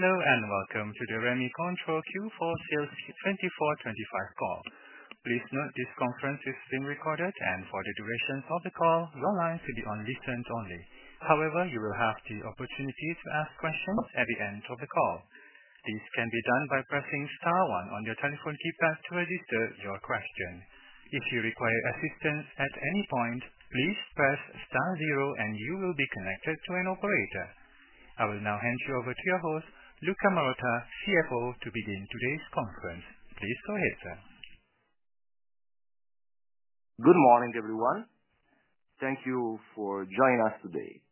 Hello and welcome to the Rémy Cointreau Q4 Sales 2024-2025 call. Please note this conference is being recorded, and for the duration of the call, your line should be on listeners only. However, you will have the opportunity to ask questions at the end of the call. This can be done by pressing star one on your telephone keypad to register your question. If you require assistance at any point, please press star zero, and you will be connected to an operator. I will now hand you over to your host, Luca Marotta, CFO, to begin today's conference. Please go ahead, sir. Good morning, everyone. Thank you for joining us today.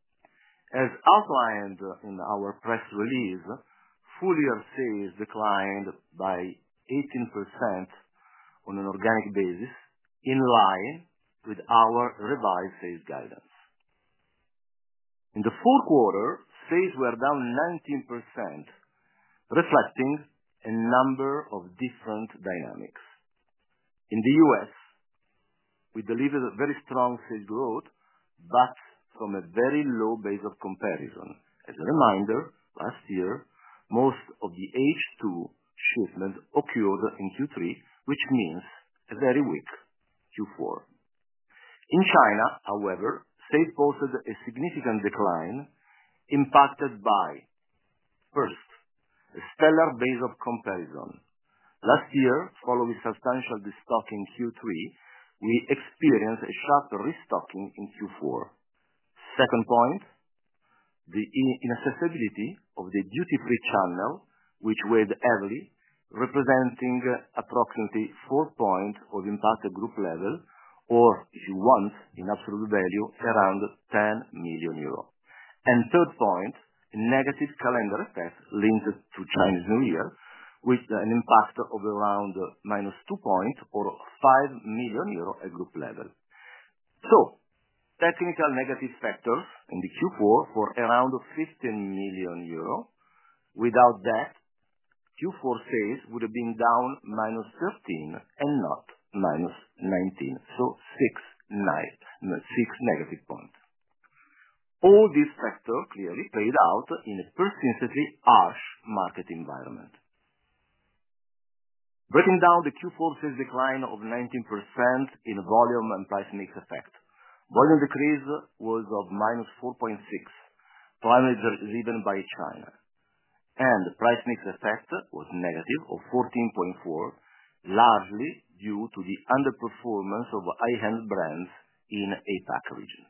As outlined in our press release, full-year sales declined by 18% on an organic basis, in line with our revised sales guidance. In the fourth quarter, sales were down 19%, reflecting a number of different dynamics. In the U.S., we delivered a very strong sales growth, but from a very low base of comparison. As a reminder, last year, most of the H2 shipment occurred in Q3, which means a very weak Q4. In China, however, sales posted a significant decline, impacted by, first, a stellar base of comparison. Last year, following substantial restocking in Q3, we experienced a sharp restocking in Q4. Second point, the inaccessibility of the duty-free channel, which weighed heavily, representing approximately four points of impact at group level, or if you want, in absolute value, around 10 million euro. Third point, a negative calendar effect linked to Chinese New Year, with an impact of around -2 percentage points, or 5 million euro at group level. Technical negative factors in Q4 were around 15 million euros. Without that, Q4 sales would have been down -13% and not -19%, so six negative percentage points. All these factors clearly played out in a persistently harsh market environment. Breaking down the Q4 sales decline of 19% in volume and price mix effect, volume decrease was -4.6%, primarily driven by China. The price mix effect was negative at 14.4%, largely due to the underperformance of high-end brands in the APAC region.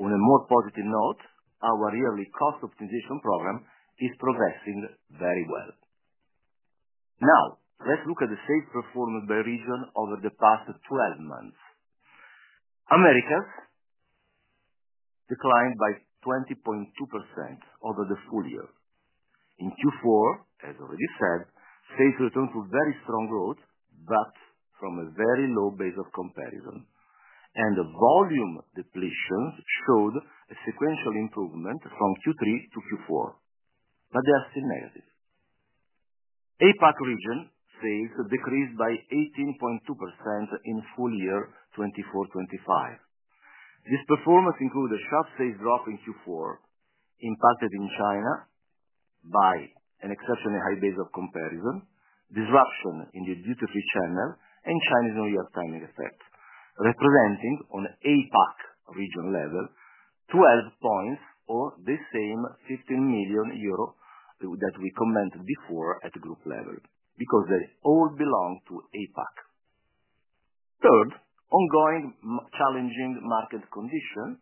On a more positive note, our yearly cost optimization program is progressing very well. Now, let's look at the sales performance by region over the past 12 months. Americas declined by 20.2% over the full year. In Q4, as already said, sales returned to very strong growth, but from a very low base of comparison. The volume depletions showed a sequential improvement from Q3 to Q4, but they are still negative. APAC region sales decreased by 18.2% in full year 2024-2025. This performance included a sharp sales drop in Q4, impacted in China by an exceptionally high base of comparison, disruption in the duty-free channel, and Chinese New Year timing effect, representing on the APAC region level 12 percentage points, or the same 15 million euro that we commented before at the group level, because they all belong to APAC. Third, ongoing challenging market condition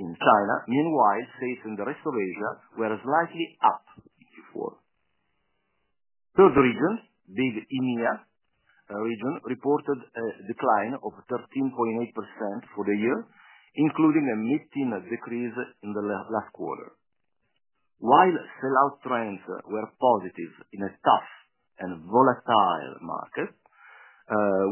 in China. Meanwhile, sales in the rest of Asia were slightly up in Q4. Third region, big EMEA region reported a decline of 13.8% for the year, including a mid-teen decrease in the last quarter. While sell-out trends were positive in a tough and volatile market,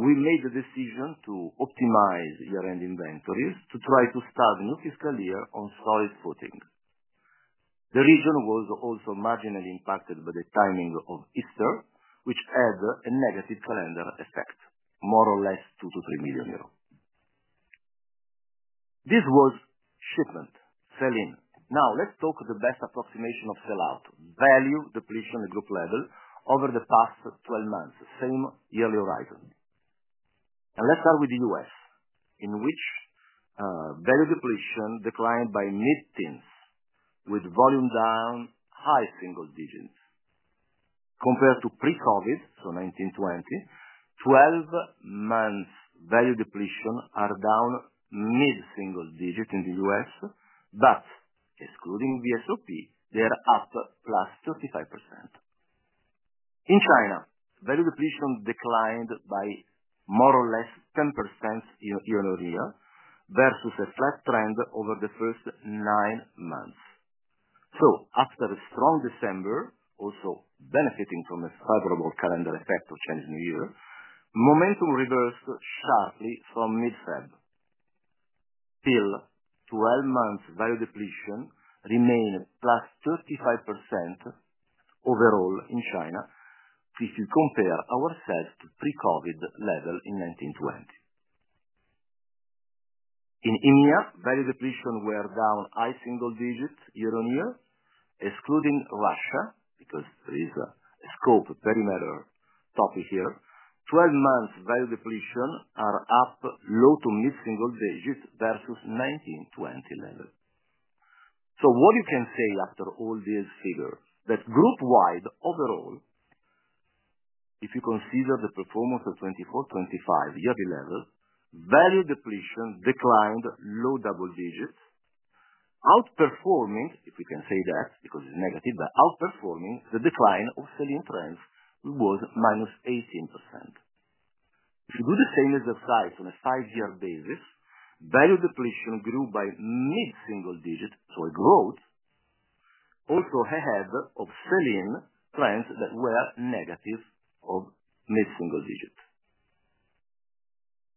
we made the decision to optimize year-end inventories to try to start a new fiscal year on solid footing. The region was also marginally impacted by the timing of Easter, which had a negative calendar effect, more or less 2 million-3 million euros. This was shipment, sell-in. Now, let's talk the best approximation of sell-out, value depletion at group level over the past 12 months, same yearly horizon. Let's start with the U.S., in which value depletion declined by mid-teens, with volume down high single digits. Compared to pre-COVID, so 2019, 2020, 12 months value depletion are down mid-single digit in the U.S., but excluding the SOP, they are up plus 35%. In China, value depletion declined by more or less 10% year-on-year versus a flat trend over the first nine months. After a strong December, also benefiting from a favorable calendar effect of Chinese New Year, momentum reversed sharply from mid-February. Still, 12 months value depletion remained plus 35% overall in China if you compare ourselves to pre-COVID level in 2019-2020. In EMEA, value depletion were down high single digit year-on-year, excluding Russia, because there is a scope perimeter topic here. Twelve months value depletion are up low to mid-single digit versus 2019-2020 level. What you can say after all these figures is that group-wide overall, if you consider the performance of 2024-2025 yearly level, value depletion declined low double digits, outperforming, if we can say that, because it's negative, but outperforming the decline of sell-in trends, which was -18%. If you do the same exercise on a five-year basis, value depletion grew by mid-single digit, so it grows, also ahead of sell-in trends that were negative of mid-single digit.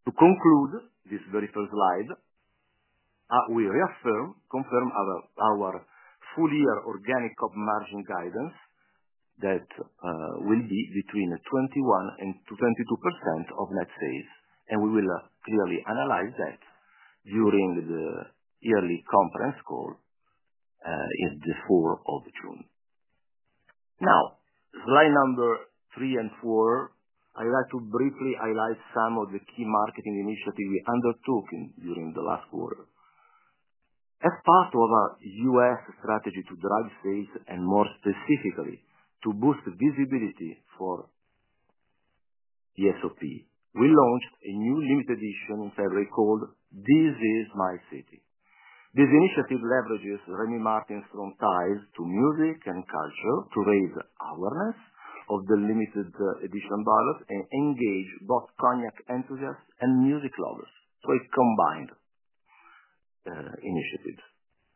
To conclude this very first slide, we reaffirm, confirm our full-year organic margin guidance that will be between 21-22% of net sales, and we will clearly analyze that during the yearly conference call in the fourth of June. Now, slide number three and four, I'd like to briefly highlight some of the key marketing initiatives we undertook during the last quarter. As part of our U.S. strategy to drive sales and more specifically to boost visibility for the SOP, we launched a new limited edition in February called "This Is My City." This initiative leverages Rémy Martin's strong ties to music and culture to raise awareness of the limited edition buyers and engage both cognac enthusiasts and music lovers. It is a combined initiative.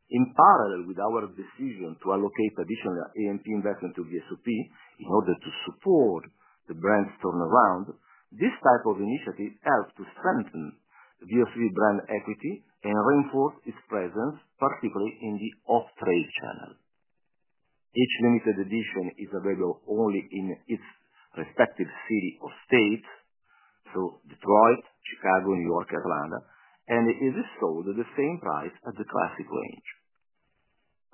In parallel with our decision to allocate additional AMP investment to the SOP in order to support the brand's turnaround, this type of initiative helps to strengthen the SOP brand equity and reinforce its presence, particularly in the off-trade channel. Each limited edition is available only in its respective city or state, Detroit, Chicago, New York, Atlanta, and it is sold at the same price as the classic range.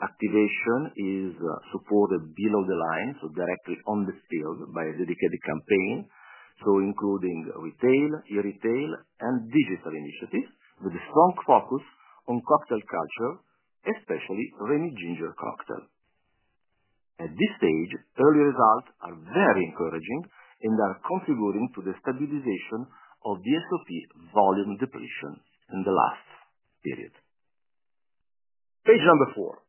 Activation is supported below the line, so directly on the field by a dedicated campaign, so including retail, e-retail, and digital initiatives with a strong focus on cocktail culture, especially Rémy Ginger cocktail. At this stage, early results are very encouraging and are contributing to the stabilization of the SOP volume depletion in the last period. Page number four.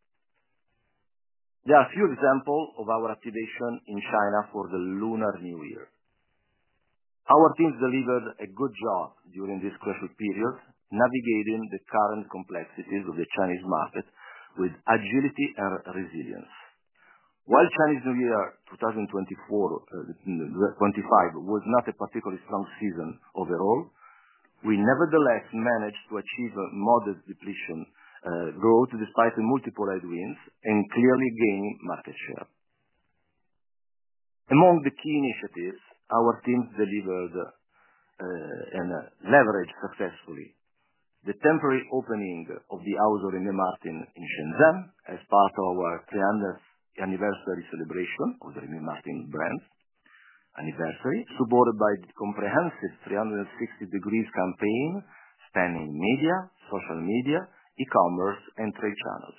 There are a few examples of our activation in China for the Lunar New Year. Our teams delivered a good job during this crucial period, navigating the current complexities of the Chinese market with agility and resilience. While Chinese New Year 2024-2025 was not a particularly strong season overall, we nevertheless managed to achieve a modest depletion growth despite the multiple headwinds and clearly gaining market share. Among the key initiatives, our teams delivered and leveraged successfully the temporary opening of the House of Rémy Martin in Shenzhen as part of our 300th anniversary celebration of the Rémy Martin brand anniversary, supported by the comprehensive 360 degrees campaign spanning media, social media, e-commerce, and trade channels.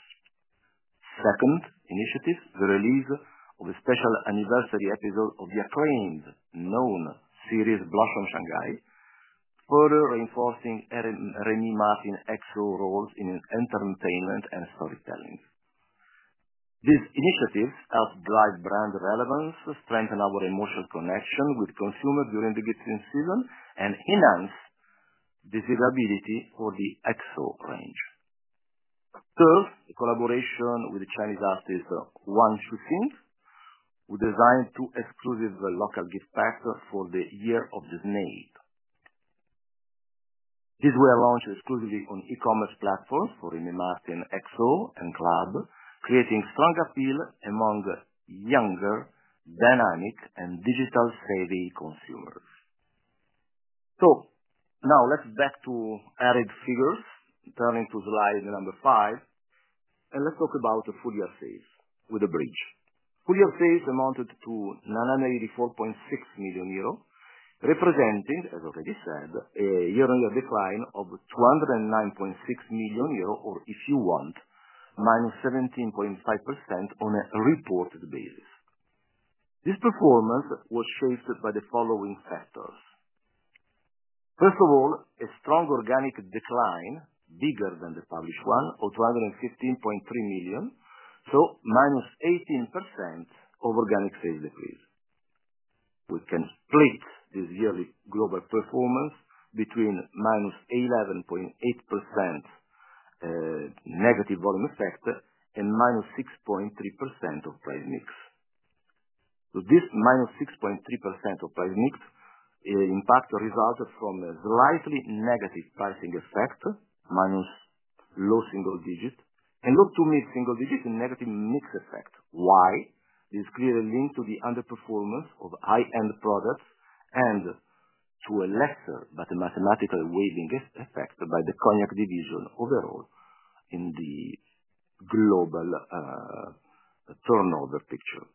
Second initiative, the release of a special anniversary episode of the acclaimed known series "Blush from Shanghai," further reinforcing Rémy Martin's excellent roles in entertainment and storytelling. These initiatives help drive brand relevance, strengthen our emotional connection with consumers during the good seasons, and enhance the availability for the expo range. Third, the collaboration with the Chinese artist Wang Chuxing, who designed two exclusive local gift packs for the Year of the Snake. These were launched exclusively on e-commerce platforms for Rémy Martin's expo and club, creating strong appeal among younger, dynamic, and digital savvy consumers. Now let's get back to added figures, turning to slide number five, and let's talk about the full-year sales with a bridge. Full-year sales amounted to 984.6 million euro, representing, as already said, a year-on-year decline of 209.6 million euro, or if you want, -17.5% on a reported basis. This performance was shaped by the following factors. First of all, a strong organic decline bigger than the published one, of 215.3 million, so -18% of organic sales decrease. We can split this yearly global performance between -11.8% negative volume effect and -6.3% of price mix. This -6.3% of price mix impact resulted from a slightly negative pricing effect, minus low single digit, and low to mid-single digit negative mix effect. Why? This is clearly linked to the underperformance of high-end products and to a lesser, but mathematically weighting effect by the Cognac division overall in the global turnover picture.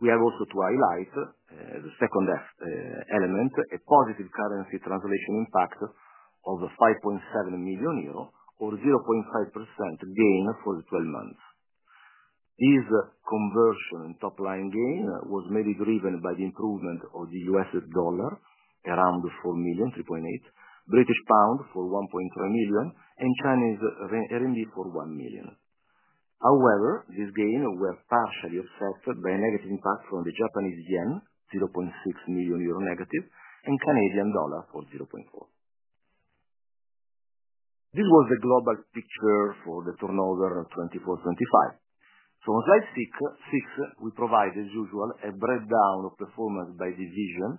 We have also to highlight, as a second element, a positive currency translation impact of 5.7 million euro, or 0.5% gain for the 12 months. This conversion and top-line gain was mainly driven by the improvement of the U.S. dollar, around $4 million, $3.8 million, British pound for 1.3 million, and Chinese Renminbi for 1 million RMB. However, these gains were partially affected by negative impact from the Japanese yen, 0.6 million euro negative, and Canadian dollar for 0.4 million. This was the global picture for the turnover of 2024-2025. On slide six, we provide, as usual, a breakdown of performance by division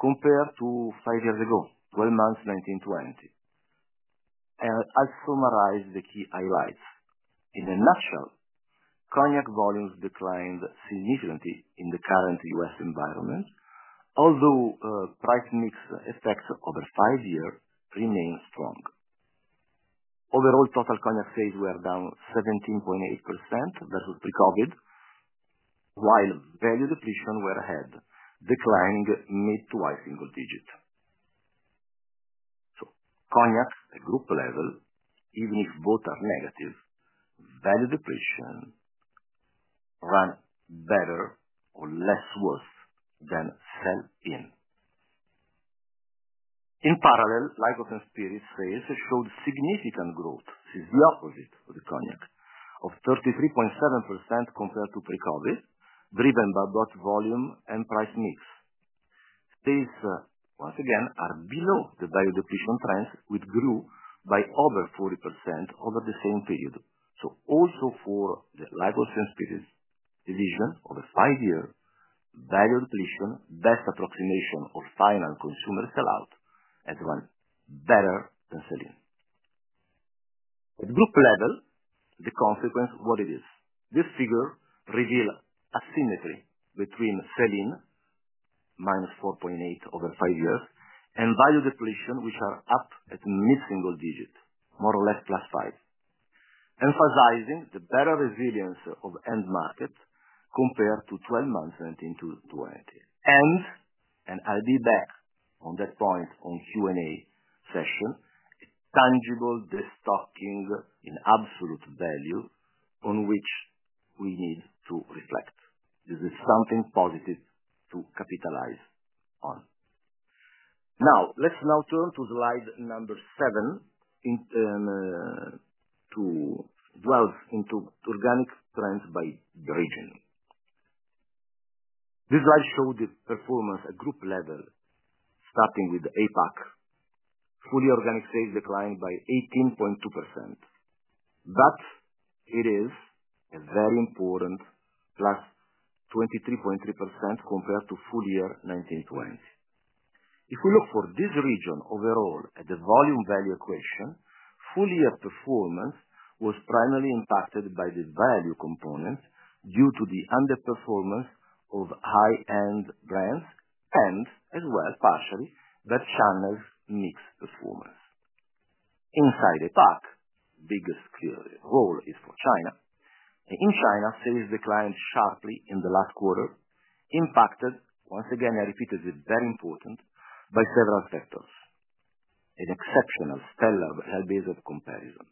compared to five years ago, 12 months, 2019-2020. I'll summarize the key highlights. In a nutshell, cognac volumes declined significantly in the current U.S. environment, although price mix effect over five years remained strong. Overall, total cognac sales were down 17.8% versus pre-COVID, while value depletion were ahead, declining mid to high single digit. Cognac at group level, even if both are negative, value depletion ran better or less worse than sell-in. In parallel, Liqueurs & Spirits sales showed significant growth, which is the opposite of the cognac, of 33.7% compared to pre-COVID, driven by both volume and price mix. Sales, once again, are below the value depletion trends, which grew by over 40% over the same period. Also for the Liqueurs & Spirits division over five years, value depletion, best approximation of final consumer sell-out, has run better than sell-in. At group level, the consequence, what it is. This figure reveals asymmetry between sell-in, -4.8% over five years, and value depletion, which are up at mid-single digit, more or less +5%, emphasizing the better resilience of end market compared to 12 months 2019-2020. I'll be back on that point on Q&A session, tangible destocking in absolute value on which we need to reflect. This is something positive to capitalize on. Now, let's now turn to slide number seven to delve into organic trends by region. This slide showed the performance at group level, starting with APAC, fully organic sales declined by 18.2%. It is a very important +23.3% compared to full year 2019-2020. If we look for this region overall at the volume value equation, full-year performance was primarily impacted by the value component due to the underperformance of high-end brands and, as well, partially, the channels' mixed performance. Inside APAC, the biggest clear role is for China. In China, sales declined sharply in the last quarter, impacted, once again, I repeated it, very important by several factors. An exceptional stellar value-based comparison.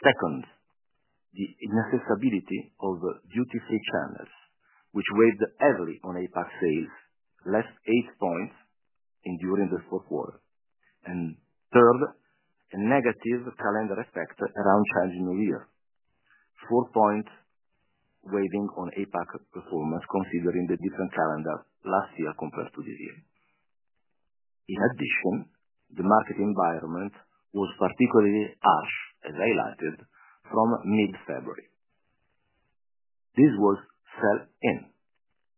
Second, the inaccessibility of duty-free channels, which weighed heavily on APAC sales, less eight points during the fourth quarter. Third, a negative calendar effect around Chinese New Year, four points weighing on APAC performance considering the different calendar last year compared to this year. In addition, the market environment was particularly harsh, as I highlighted, from mid-February. This was sell-in.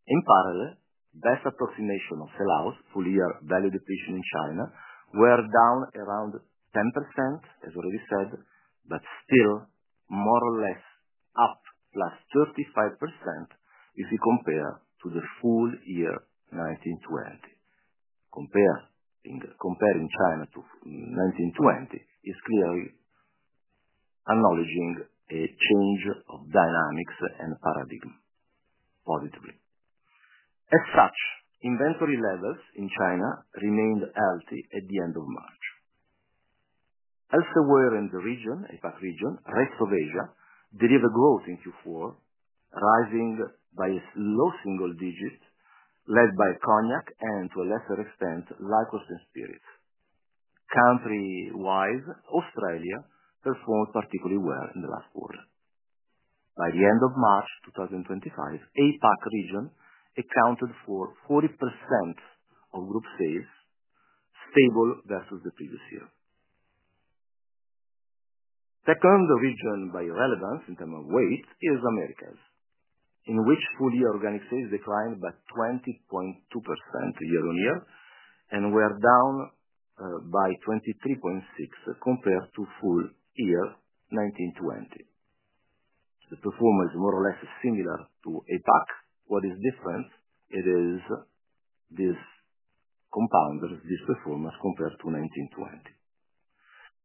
In parallel, best approximation of sell-outs, full-year value depletion in China were down around 10%, as already said, but still more or less up +35% if you compare to the full year 2019-2020. Comparing China to 2019-2020 is clearly acknowledging a change of dynamics and paradigm positively. As such, inventory levels in China remained healthy at the end of March. Elsewhere in the region, APAC region, rest of Asia, delivered growth in Q4, rising by a low single digit, led by cognac and, to a lesser extent, Liqueurs & Spirits. Country-wise, Australia performed particularly well in the last quarter. By the end of March 2025, APAC region accounted for 40% of group sales, stable versus the previous year. Second region by relevance in terms of weight is Americas, in which full-year organic sales declined by 20.2% year-on-year and were down by 23.6% compared to full year 2019-2020. The performance is more or less similar to APAC. What is different is this compounder, this performance compared to 2019-2020.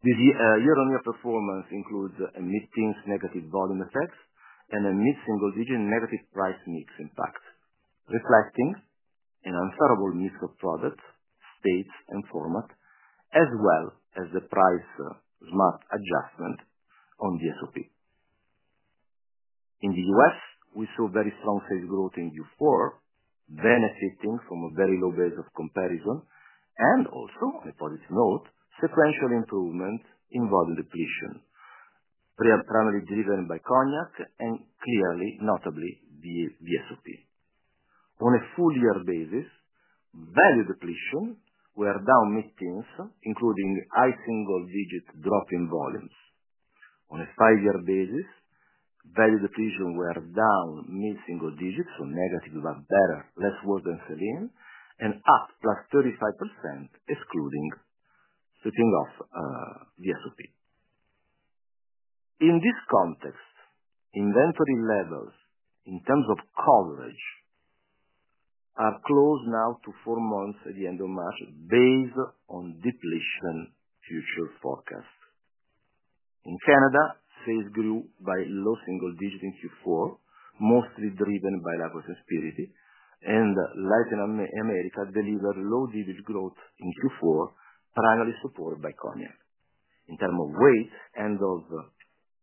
This year-on-year performance includes a mid-teens negative volume effect and a mid-single digit negative price mix impact, reflecting an unfavorable mix of products, states, and format, as well as the price smart adjustment on the SOP. In the U.S., we saw very strong sales growth in Q4, benefiting from a very low base of comparison, and also, on a positive note, sequential improvement in volume depletion, primarily driven by cognac and clearly, notably, the SOP. On a full-year basis, value depletion were down mid-teens, including high single-digit drop in volumes. On a five-year basis, value depletion were down mid-single digits, so negative but better, less worse than sell-in, and up +35%, excluding slipping off the SOP. In this context, inventory levels in terms of coverage are close now to four months at the end of March based on depletion futures forecasts. In Canada, sales grew by low single digit in Q4, mostly driven by Liqueurs & Spirits, and Latin America delivered low digit growth in Q4, primarily supported by cognac. In terms of weight, end of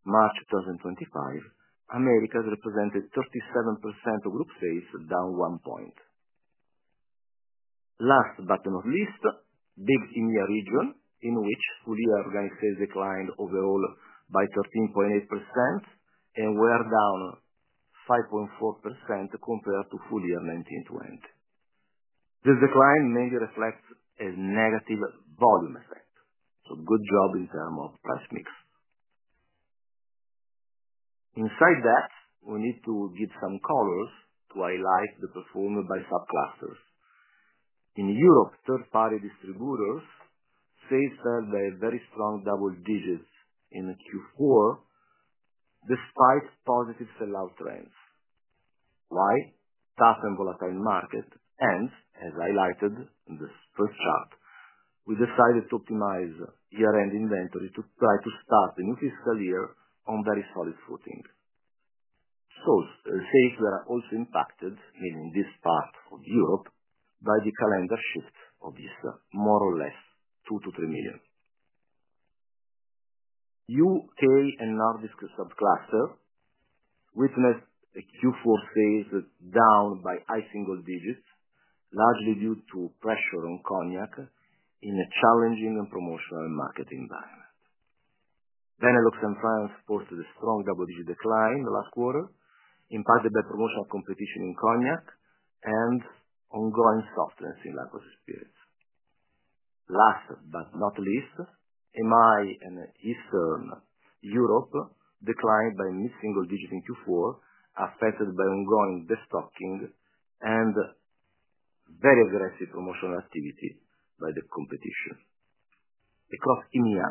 March 2025, Americas represented 37% of group sales, down one point. Last but not least, big in-year region in which full-year organic sales declined overall by 13.8% and were down 5.4% compared to full year 2019-2020. This decline mainly reflects a negative volume effect. Good job in terms of price mix. Inside that, we need to give some colors to highlight the performance by sub-clusters. In Europe, third-party distributors sales fell by a very strong double digits in Q4 despite positive sell-out trends. Why? Tough and volatile market, and as highlighted in this first chart, we decided to optimize year-end inventory to try to start the new fiscal year on very solid footing. Sales were also impacted, meaning this part of Europe, by the calendar shift of these more or less 2 million-3 million. U.K. and Nordics sub-cluster witnessed Q4 sales down by high single digits, largely due to pressure on cognac in a challenging and promotional market environment. Benelux and France reported a strong double-digit decline the last quarter, impacted by promotional competition in cognac and ongoing softness in Liqueurs & Spirits. Last but not least, MI and Eastern Europe declined by mid-single digit in Q4, affected by ongoing destocking and very aggressive promotional activity by the competition. Across EMEA,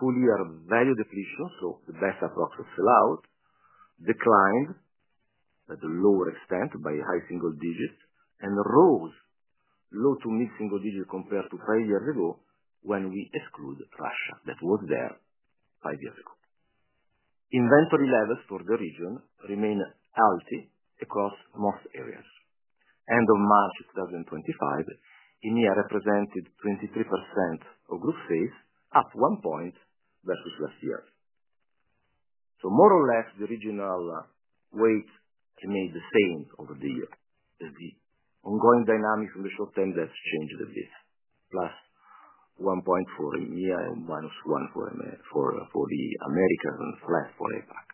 full-year value depletion, so the best approximate sell-out, declined to a lower extent by high single digit and rose low to mid-single digit compared to five years ago when we exclude Russia that was there five years ago. Inventory levels for the region remain healthy across most areas. End of March 2025, EMEA represented 23% of group sales, up one point versus last year. More or less, the regional weight remained the same over the year. The ongoing dynamics in the short-term depth changed a bit, +1.4% in EMEA and -1% for the Americas and less for APAC.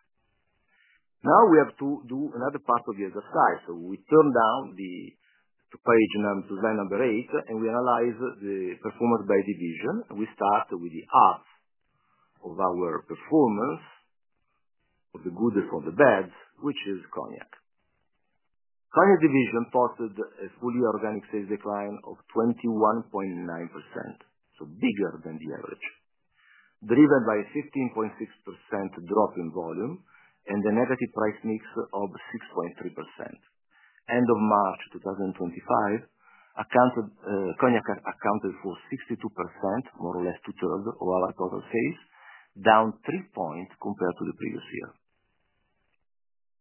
Now, we have to do another part of the exercise. We turn down to page number to line number eight, and we analyze the performance by division. We start with the odds of our performance, of the goods or the bads, which is cognac. Cognac division posted a fully organic sales decline of 21.9%, so bigger than the average, driven by a 15.6% drop in volume and a negative price mix of 6.3%. End of March 2025, cognac accounted for 62%, more or less two-thirds of our total sales, down three points compared to the previous year.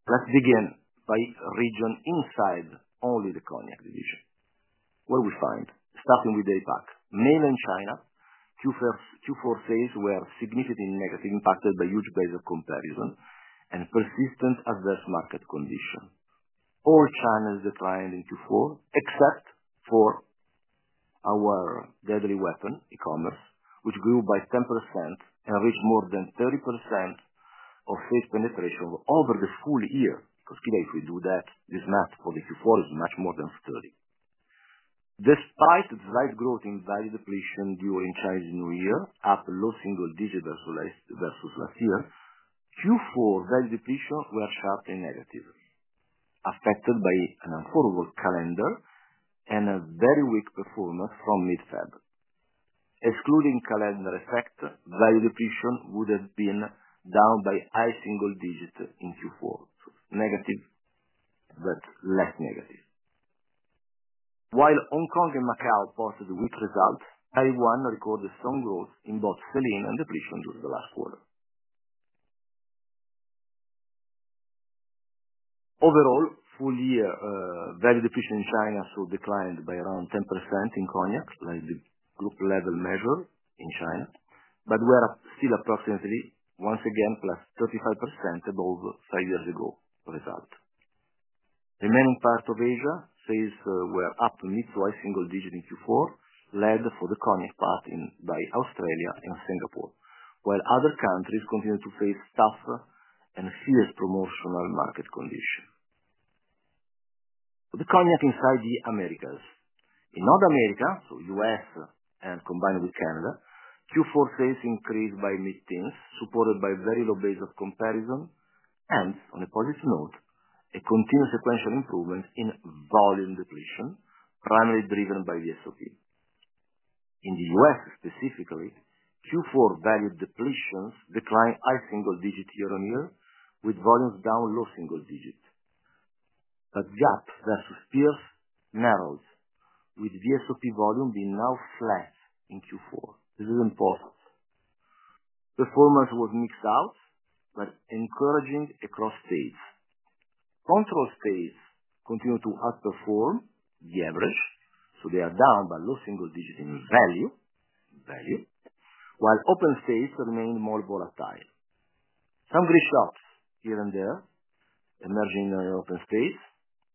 Let's begin by region inside only the cognac division. What we find, starting with APAC, mainly in China, Q4 sales were significantly negatively impacted by huge base of comparison and persistent adverse market condition. All channels declined in Q4, except for our deadly weapon, e-commerce, which grew by 10% and reached more than 30% of sales penetration over the full year. Because if we do that, this math for the Q4 is much more than 30. Despite the slight growth in value depletion during Chinese New Year, up low single digit versus last year, Q4 value depletion was sharply negative, affected by an unfavorable calendar and a very weak performance from mid-February. Excluding calendar effect, value depletion would have been down by high single digit in Q4, negative but less negative. While Hong Kong and Macau posted weak results, Taiwan recorded strong growth in both sell-in and depletion during the last quarter. Overall, full-year value depletion in China declined by around 10% in cognac, like the group-level measure in China, but were still approximately, once again, +35% above five years ago result. Remaining part of Asia, sales were up mid to high single digit in Q4, led for the cognac part by Australia and Singapore, while other countries continued to face tough and fierce promotional market condition. The cognac inside the Americas. In North America, so U.S. and combined with Canada, Q4 sales increased by mid-teens, supported by very low base of comparison, and on a positive note, a continuous sequential improvement in volume depletion, primarily driven by the SOP. In the U.S. specifically, Q4 value depletions declined high single digit year-on-year, with volumes down low single digit. Gap versus peers narrowed, with the SOP volume being now flat in Q4. This is important. Performance was mixed out, but encouraging across states. Control states continue to outperform the average, so they are down by low single digit in value, while open states remain more volatile. Some green shots here and there emerging in open states.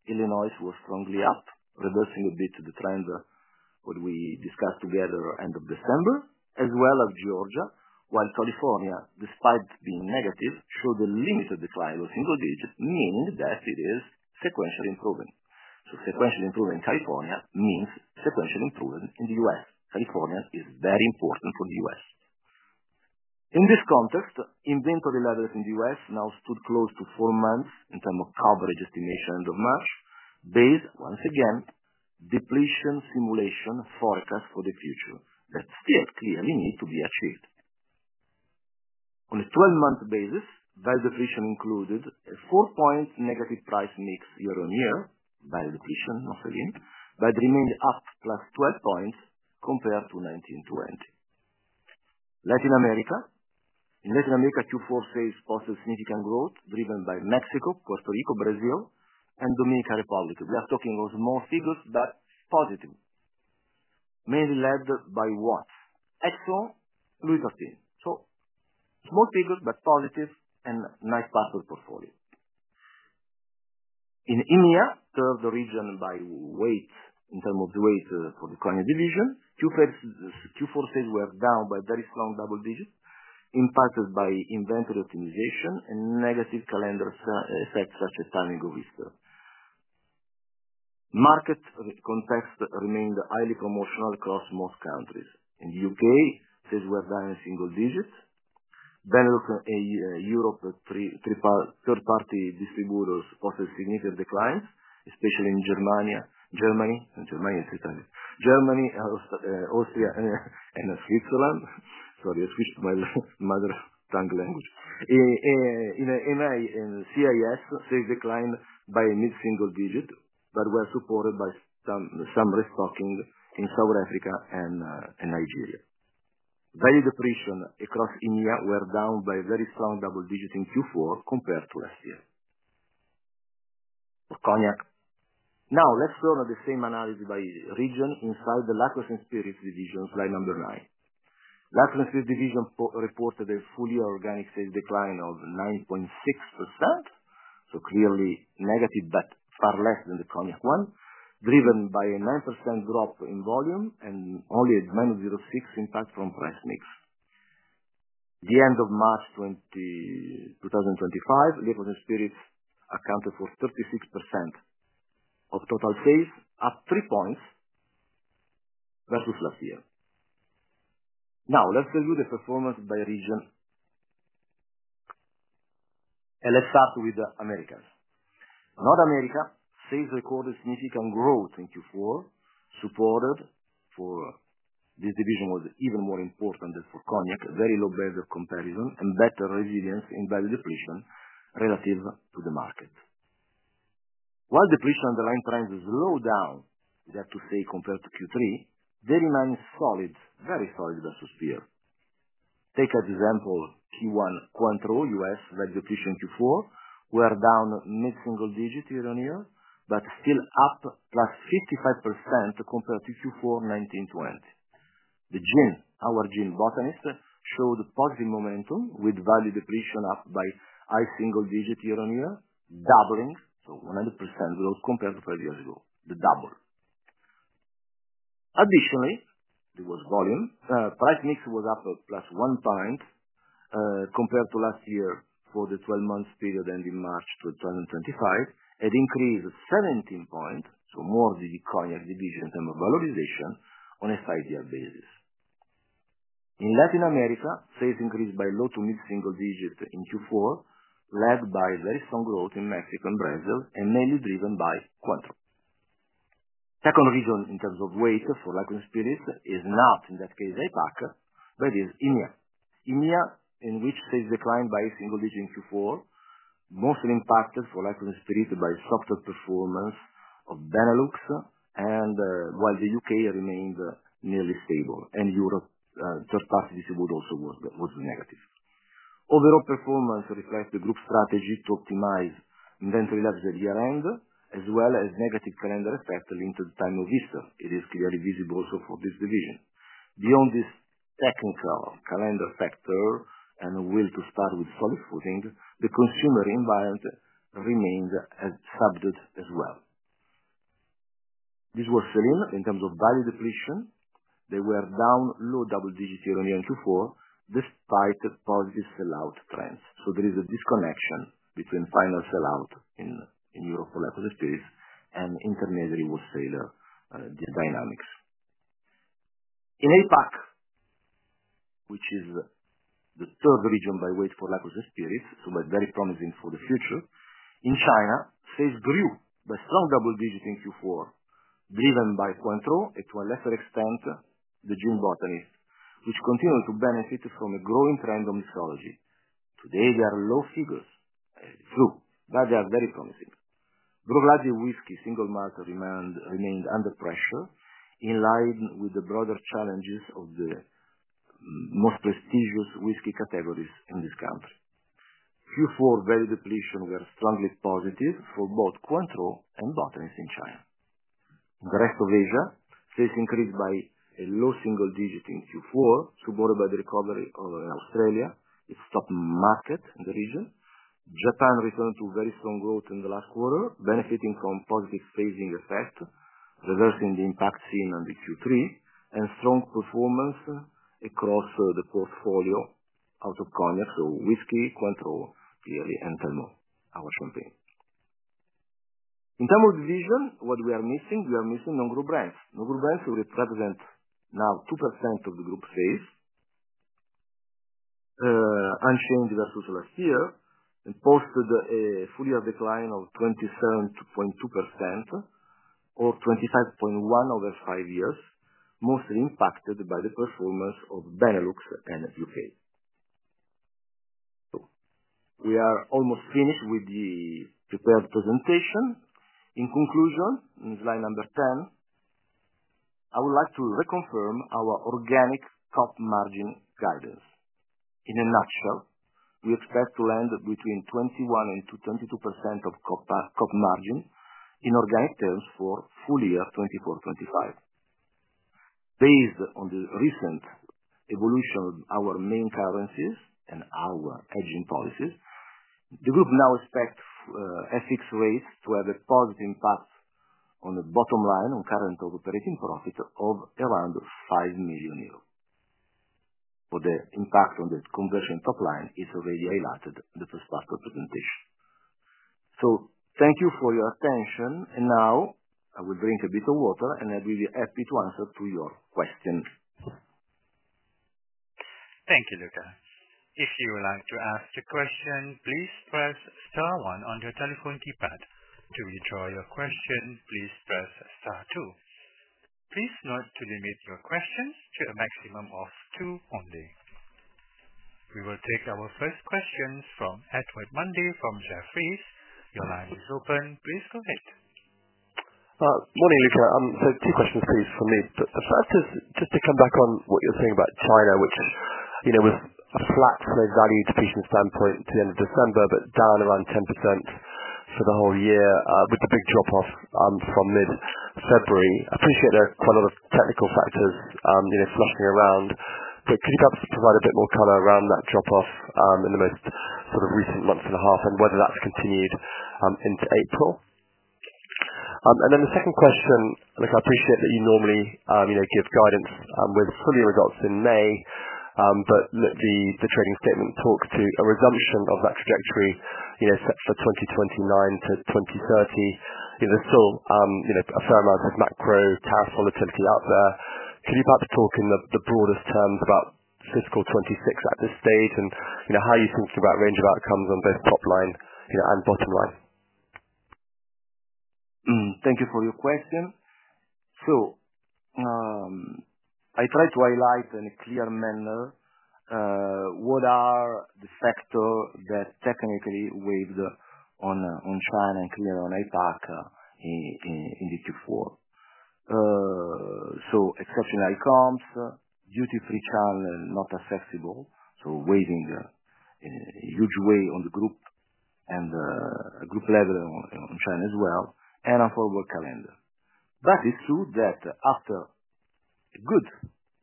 Illinois was strongly up, reversing a bit the trend that we discussed together at the end of December, as well as Georgia, while California, despite being negative, showed a limited decline of single digit, meaning that it is sequentially improving. Sequentially improving California means sequentially improving in the U.S. California is very important for the U.S. In this context, inventory levels in the U.S. now stood close to four months in terms of coverage estimation end of March, based, once again, on depletion simulation forecast for the future that still clearly need to be achieved. On a 12-month basis, value depletion included a four-point negative price mix year-on-year, value depletion, no sell-in, but remained up plus 12 points compared to 2019-2020. Latin America. In Latin America, Q4 sales posted significant growth driven by Mexico, Puerto Rico, Brazil, and Dominican Republic. We are talking of small figures but positive, mainly led by what? Excellent Louis XIII. Small figures but positive and nice part of the portfolio. In EMEA, third region by weight in terms of the weight for the cognac division, Q4 sales were down by very strong double digits, impacted by inventory optimization and negative calendar effects such as timing of Easter. Market context remained highly promotional across most countries. In the U.K., sales were down a single digit. Europe third-party distributors posted significant declines, especially in Germany, Austria, and Switzerland. Sorry, I switched my mother tongue language. In CIS, sales declined by mid-single digit but were supported by some restocking in South Africa and Nigeria. Value depletion across EMEA was down by a very strong double digit in Q4 compared to last year. For cognac. Now, let's turn on the same analysis by region inside the Liqueurs & Spirits division, slide number nine. Liqueurs & Spirits division reported a fully organic sales decline of 9.6%, so clearly negative but far less than the cognac one, driven by a 9% drop in volume and only a -0.6% impact from price mix. At the end of March 2025, Liqueurs & Spirits accounted for 36% of total sales, up three points versus last year. Now, let's review the performance by region. Let's start with Americas. North America sales recorded significant growth in Q4, supported. For this division was even more important than for cognac, very low base of comparison and better resilience in value depletion relative to the market. While depletion underlying trends is low down, we have to say compared to Q3, they remain solid, very solid versus peer. Take as example Q1 Cointreau, U.S., value depletion Q4, were down mid-single digit year-on-year, but still up +55% compared to Q4 2019-2020. The gin, our gin The Botanist, showed positive momentum with value depletion up by high single digit year-on-year, doubling, so 100% growth compared to five years ago, the double. Additionally, there was volume. Price mix was up plus one point compared to last year for the 12-month period ending March 2025. It increased 17 percentage points, so more than the Cognac division in terms of valorization on a five-year basis. In Latin America, sales increased by low to mid-single digit in Q4, led by very strong growth in Mexico and Brazil, and mainly driven by Cointreau. Second region in terms of weight for Liqueurs & Spirits is not in that case APAC, but is EMEA. EMEA, in which sales declined by a single digit in Q4, mostly impacted for Liqueurs & Spirits by soft performance of Benelux, while the U.K. remained nearly stable, and Europe third-party distribution also was negative. Overall performance reflects the group strategy to optimize inventory levels at year-end, as well as negative calendar effect linked to the time of Easter. It is clearly visible also for this division. Beyond this technical calendar factor and a will to start with solid footing, the consumer environment remained subdued as well. This was sell-in in terms of value depletion. They were down low double digit year-on-year in Q4, despite positive sell-out trends. There is a disconnection between final sell-out in Europe for Liqueurs & Spirits and intermediary wholesaler dynamics. In APAC, which is the third region by weight for Liqueurs & Spirits, very promising for the future, in China, sales grew by strong double digit in Q4, driven by Cointreau and to a lesser extent The Botanist gin, which continued to benefit from a growing trend of mixology. Today, they are low figures, true, but they are very promising. Bruichladdich whisky single malt remained under pressure in line with the broader challenges of the most prestigious whisky categories in this country. Q4 value depletion was strongly positive for both Cointreau and The Botanist in China. In the rest of Asia, sales increased by a low single digit in Q4, supported by the recovery of Australia, its top market in the region. Japan returned to very strong growth in the last quarter, benefiting from positive phasing effect, reversing the impact seen under Q3, and strong performance across the portfolio out of cognac, so whiskey, Cointreau, clearly, and Telmont, our champagne. In terms of division, what we are missing, we are missing non-group brands. Non-group brands represent now 2% of the group sales, unchanged versus last year, and posted a full-year decline of 27.2% or 25.1 over five years, mostly impacted by the performance of Benelux and U.K. We are almost finished with the prepared presentation. In conclusion, in slide number 10, I would like to reconfirm our organic COP margin guidance. In a nutshell, we expect to land between 21% and 22% of COP margin in organic terms for full year 2024-2025. Based on the recent evolution of our main currencies and our hedging policies, the group now expects FX rates to have a positive impact on the bottom line on current operating profit of around 5 million euros. For the impact on the conversion top line, it is already highlighted in the first part of the presentation. Thank you for your attention. I will drink a bit of water and I'll be happy to answer your questions. Thank you, Luca. If you would like to ask a question, please press star one on your telephone keypad. To withdraw your question, please press star two. Please note to limit your questions to a maximum of two only. We will take our first question from Edward Mundy from Jefferies. Your line is open. Please go ahead. Morning, Luca. Two questions, please, for me. The first is just to come back on what you're saying about China, which was flat from a value depletion standpoint to the end of December, but down around 10% for the whole year with the big drop-off from mid-February. I appreciate there are quite a lot of technical factors flushing around, but could you perhaps provide a bit more color around that drop-off in the most recent month and a half and whether that's continued into April? The second question, Luca, I appreciate that you normally give guidance with full-year results in May, but the trading statement talks to a resumption of that trajectory set for 2029-2030. There's still a fair amount of macro tariff volatility out there. Could you perhaps talk in the broadest terms about fiscal 2026 at this stage and how you're thinking about range of outcomes on both top line and bottom line? Thank you for your question. I try to highlight in a clear manner what are the factors that technically weighed on China and clearly on APAC in Q4. Exceptional outcomes, duty-free channel not accessible, weighing a huge weight on the group and group level on China as well, and on forward calendar. It's true that after a good,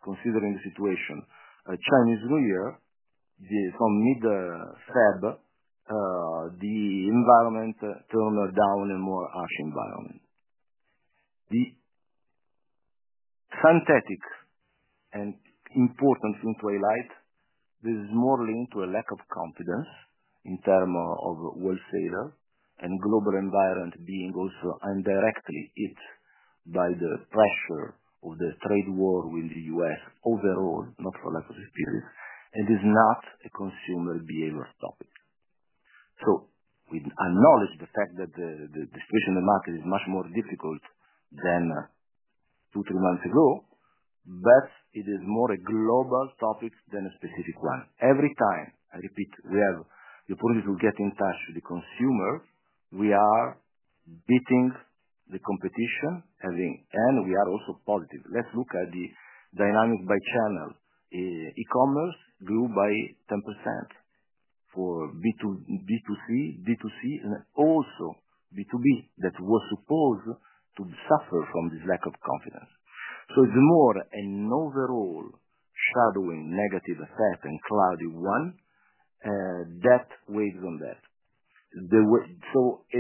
considering the situation, Chinese New Year, from mid-February, the environment turned down a more harsh environment. The synthetic and important thing to highlight, there's more link to a lack of confidence in terms of wholesaler and global environment being also indirectly hit by the pressure of the trade war with the U.S. overall, not for Liqueurs & Spirits, and it's not a consumer behavior topic. We acknowledge the fact that the situation in the market is much more difficult than two or three months ago, but it is more a global topic than a specific one. Every time, I repeat, we have the opportunity to get in touch with the consumer. We are beating the competition, and we are also positive. Let's look at the dynamic by channel. E-commerce grew by 10% for B2C, D2C, and also B2B that was supposed to suffer from this lack of confidence. It is more an overall shadowing negative effect and cloudy one that weighs on that. It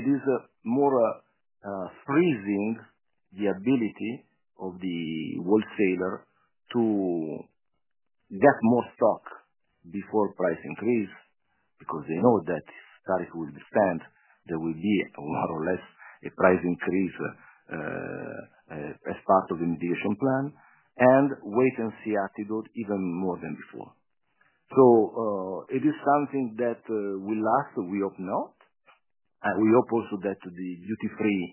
is more freezing the ability of the wholesaler to get more stock before price increase because they know that if tariffs will be spent, there will be more or less a price increase as part of the mitigation plan, and wait-and-see attitude even more than before. It is something that will last. We hope not. We hope also that the duty-free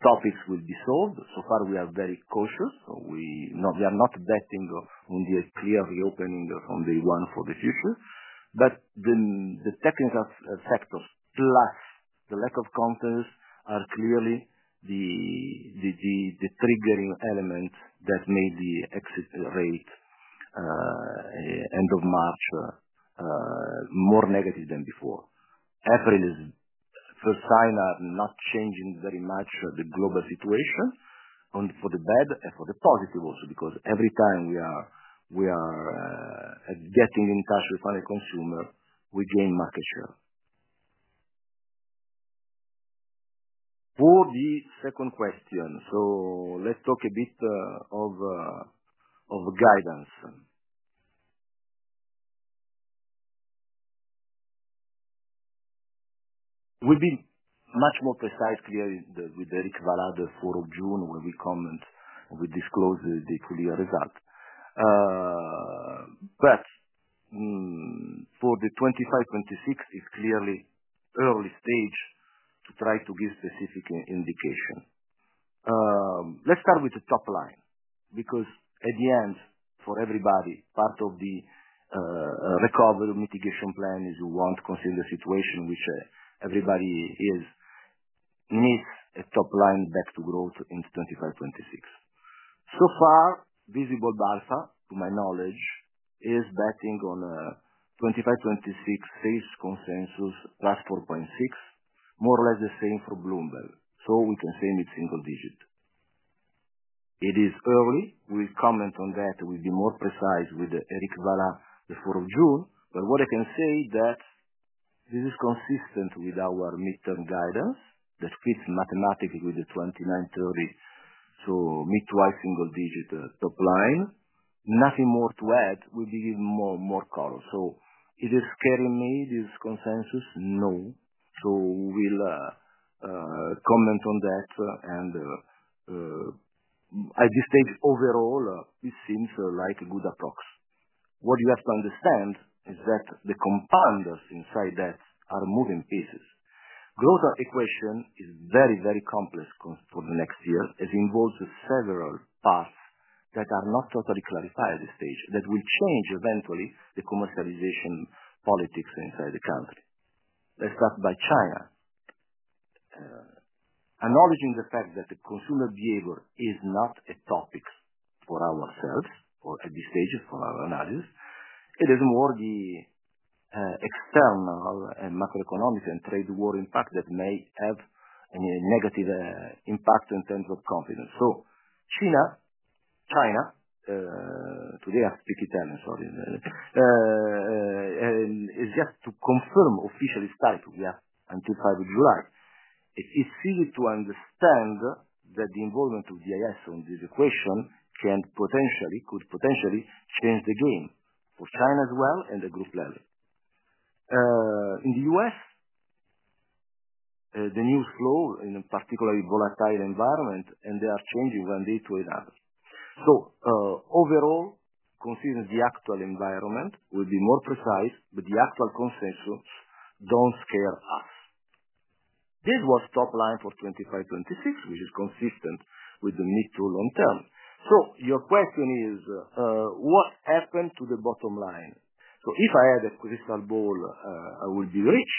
topics will be solved. So far, we are very cautious. We are not betting on the clear reopening from day one for the future, but the technical factors plus the lack of confidence are clearly the triggering element that made the exit rate end of March more negative than before. April is first sign of not changing very much the global situation for the bad and for the positive also because every time we are getting in touch with final consumer, we gain market share. For the second question, let's talk a bit of guidance. We've been much more precise, clearly, with Eric Vallat the 4th of June when we comment and we disclose the full-year result. For the 2025-2026, it's clearly early stage to try to give specific indication. Let's start with the top line because at the end, for everybody, part of the recovery mitigation plan is you want to consider the situation which everybody is needs a top line back to growth in 2025-2026. So far, Visible Bartha, to my knowledge, is betting on a 2025-2026 sales consensus +4.6%, more or less the same for Bloomberg, so we can say mid-single digit. It is early. We'll comment on that. We'll be more precise with Eric Vallat the 4th of June. What I can say is that this is consistent with our mid-term guidance that fits mathematically with the 2029-2030, so mid-to-high single digit top line. Nothing more to add. We'll be giving more color. Is it scaring me, this consensus? No. We'll comment on that. At this stage, overall, it seems like a good approx. What you have to understand is that the compounders inside that are moving pieces. Growth equation is very, very complex for the next year as it involves several paths that are not totally clarified at this stage that will change eventually the commercialization politics inside the country. Let's start by China. Acknowledging the fact that the consumer behavior is not a topic for ourselves at this stage for our analysis, it is more the external macroeconomic and trade war impact that may have a negative impact in terms of confidence. China, today I speak Italian, sorry, is yet to confirm official statute until 5th of July. It's easy to understand that the involvement of DIS on this equation could potentially change the game for China as well and the group level. In the U.S., the news flow in a particularly volatile environment, and they are changing one day to another. Overall, considering the actual environment, we'll be more precise, but the actual consensus don't scare us. This was top line for 2025-2026, which is consistent with the mid-to-long term. Your question is, what happened to the bottom line? If I had a crystal ball, I would be rich.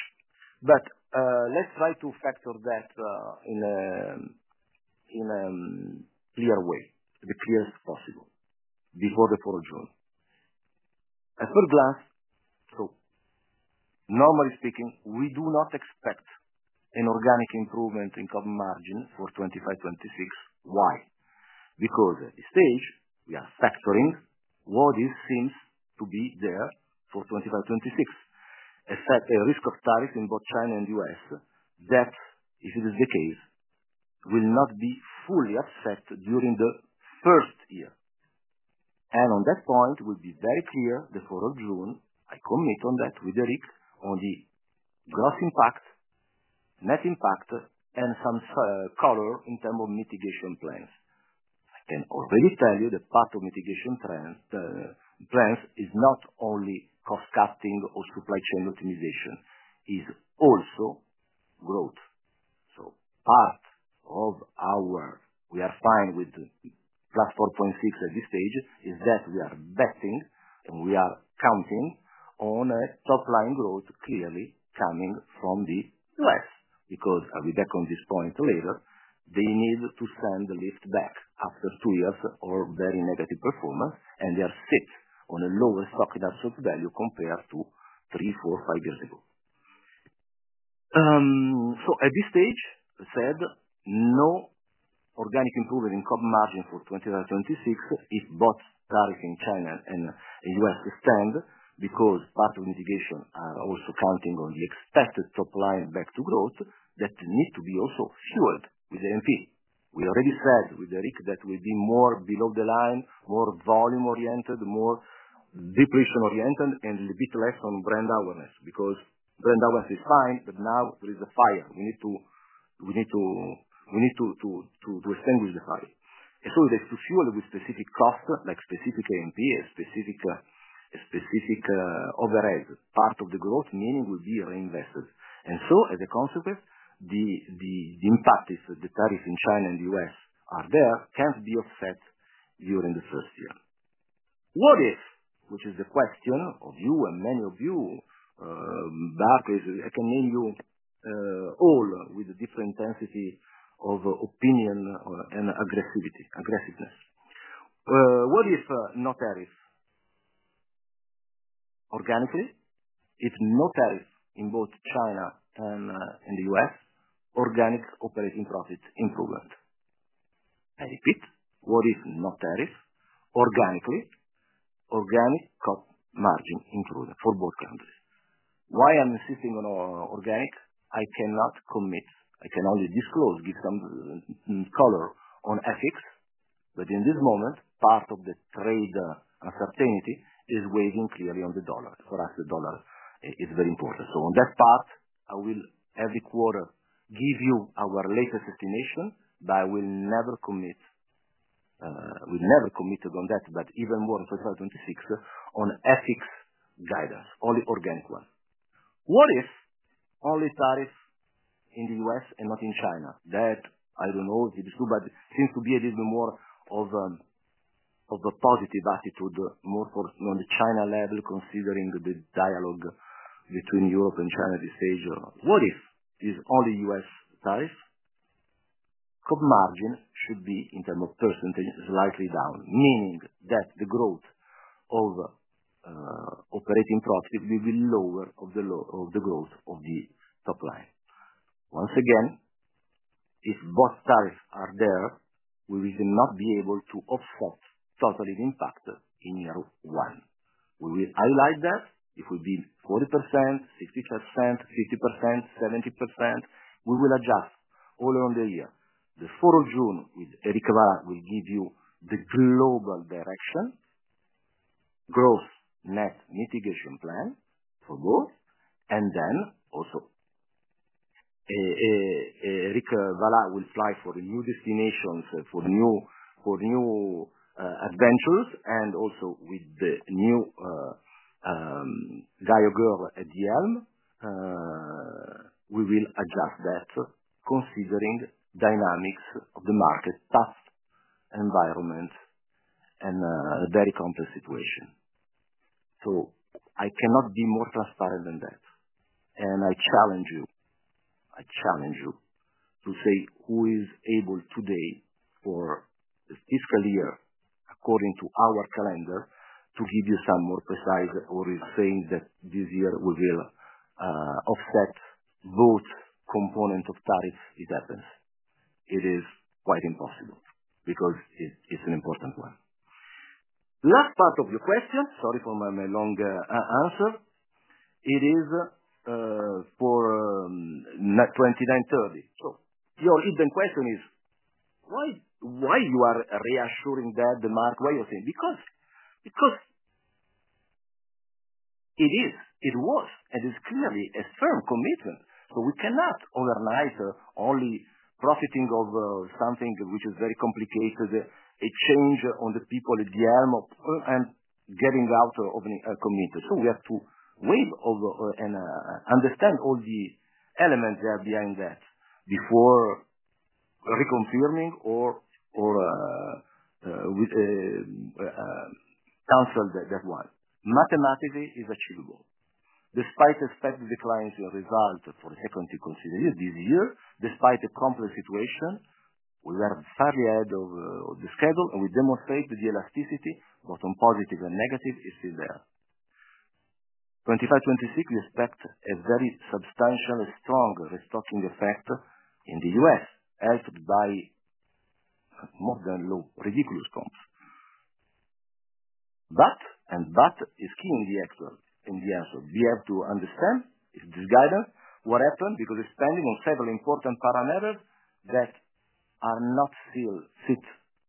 Let's try to factor that in a clear way, the clearest possible before the 4th of June. As per Glass, normally speaking, we do not expect an organic improvement in COP margin for 2025-2026. Why? Because at this stage, we are factoring what seems to be there for 2025-2026. A risk of tariffs in both China and U.S. that, if it is the case, will not be fully accepted during the first year. On that point, we'll be very clear the 4th of June. I commit on that with Eric on the gross impact, net impact, and some color in terms of mitigation plans. I can already tell you the part of mitigation plans is not only cost-cutting or supply chain optimization. It's also growth. Part of our we are fine with plus 4.6 at this stage is that we are betting and we are counting on a top line growth clearly coming from the U.S. because, I'll be back on this point later, they need to send the lift back after two years of very negative performance, and they are set on a lower stock in asset value compared to three, four, five years ago. At this stage, said no organic improvement in COP margin for 2025-2026 if both tariffs in China and U.S. stand because part of mitigation are also counting on the expected top line back to growth that need to be also fueled with AMP. We already said with Eric that we'll be more below the line, more volume-oriented, more depletion-oriented, and a bit less on brand awareness because brand awareness is fine, but now there is a fire. We need to extinguish the fire. It has to fuel with specific costs like specific AMP and specific overhead. Part of the growth meaning will be reinvested. As a consequence, the impact if the tariffs in China and the U.S. are there can't be offset during the first year. What if, which is the question of you and many of you, Bart, I can name you all with a different intensity of opinion and aggressiveness. What if no tariffs organically? If no tariffs in both China and the U.S., organic operating profit improvement. I repeat, what if no tariffs organically? Organic COP margin improvement for both countries. Why I'm insisting on organic? I cannot commit. I can only disclose, give some color on ethics, but in this moment, part of the trade uncertainty is weighing clearly on the dollar. For us, the dollar is very important. On that part, I will every quarter give you our latest estimation, but I will never commit on that, but even more on 2025-2026 on ethics guidance, only organic one. What if only tariffs in the U.S. and not in China? That, I don't know if it's true, but seems to be a little bit more of a positive attitude more on the China level considering the dialogue between Europe and China at this stage. What if it's only U.S. tariffs? COP margin should be in terms of percentage slightly down, meaning that the growth of operating profit will be lower of the growth of the top line. Once again, if both tariffs are there, we will not be able to offset totally the impact in year one. We will highlight that. If we beat 40%, 60%, 50%, 70%, we will adjust all around the year. The 4th of June with Eric Vallat will give you the global direction, gross net mitigation plan for both, and then also Eric Vallat will fly for new destinations for new adventures and also with the new guy or girl at Yelm, we will adjust that considering dynamics of the market, tough environment, and a very complex situation. I cannot be more transparent than that. I challenge you. I challenge you to say who is able today or this calendar according to our calendar to give you some more precise or is saying that this year we will offset both components of tariffs if it happens. It is quite impossible because it's an important one. Last part of your question, sorry for my long answer, it is for 2029-2030. Your hidden question is why you are reassuring that, the mark, why you're saying because it is, it was, and it's clearly a firm commitment. We cannot overnight only profiting of something which is very complicated, a change on the people at Yelm, and getting out of a commitment. We have to wait and understand all the elements that are behind that before reconfirming or cancel that one. Mathematically, it's achievable. Despite expected declines in result for the second year considering this year, despite a complex situation, we are fairly ahead of the schedule, and we demonstrate that the elasticity, both on positive and negative, is still there. For 2025-2026, we expect a very substantial and strong restocking effect in the U.S. helped by more than ridiculous comps. But, and but is key in the answer. We have to understand this guidance, what happened because it's spending on several important parameters that are not still fit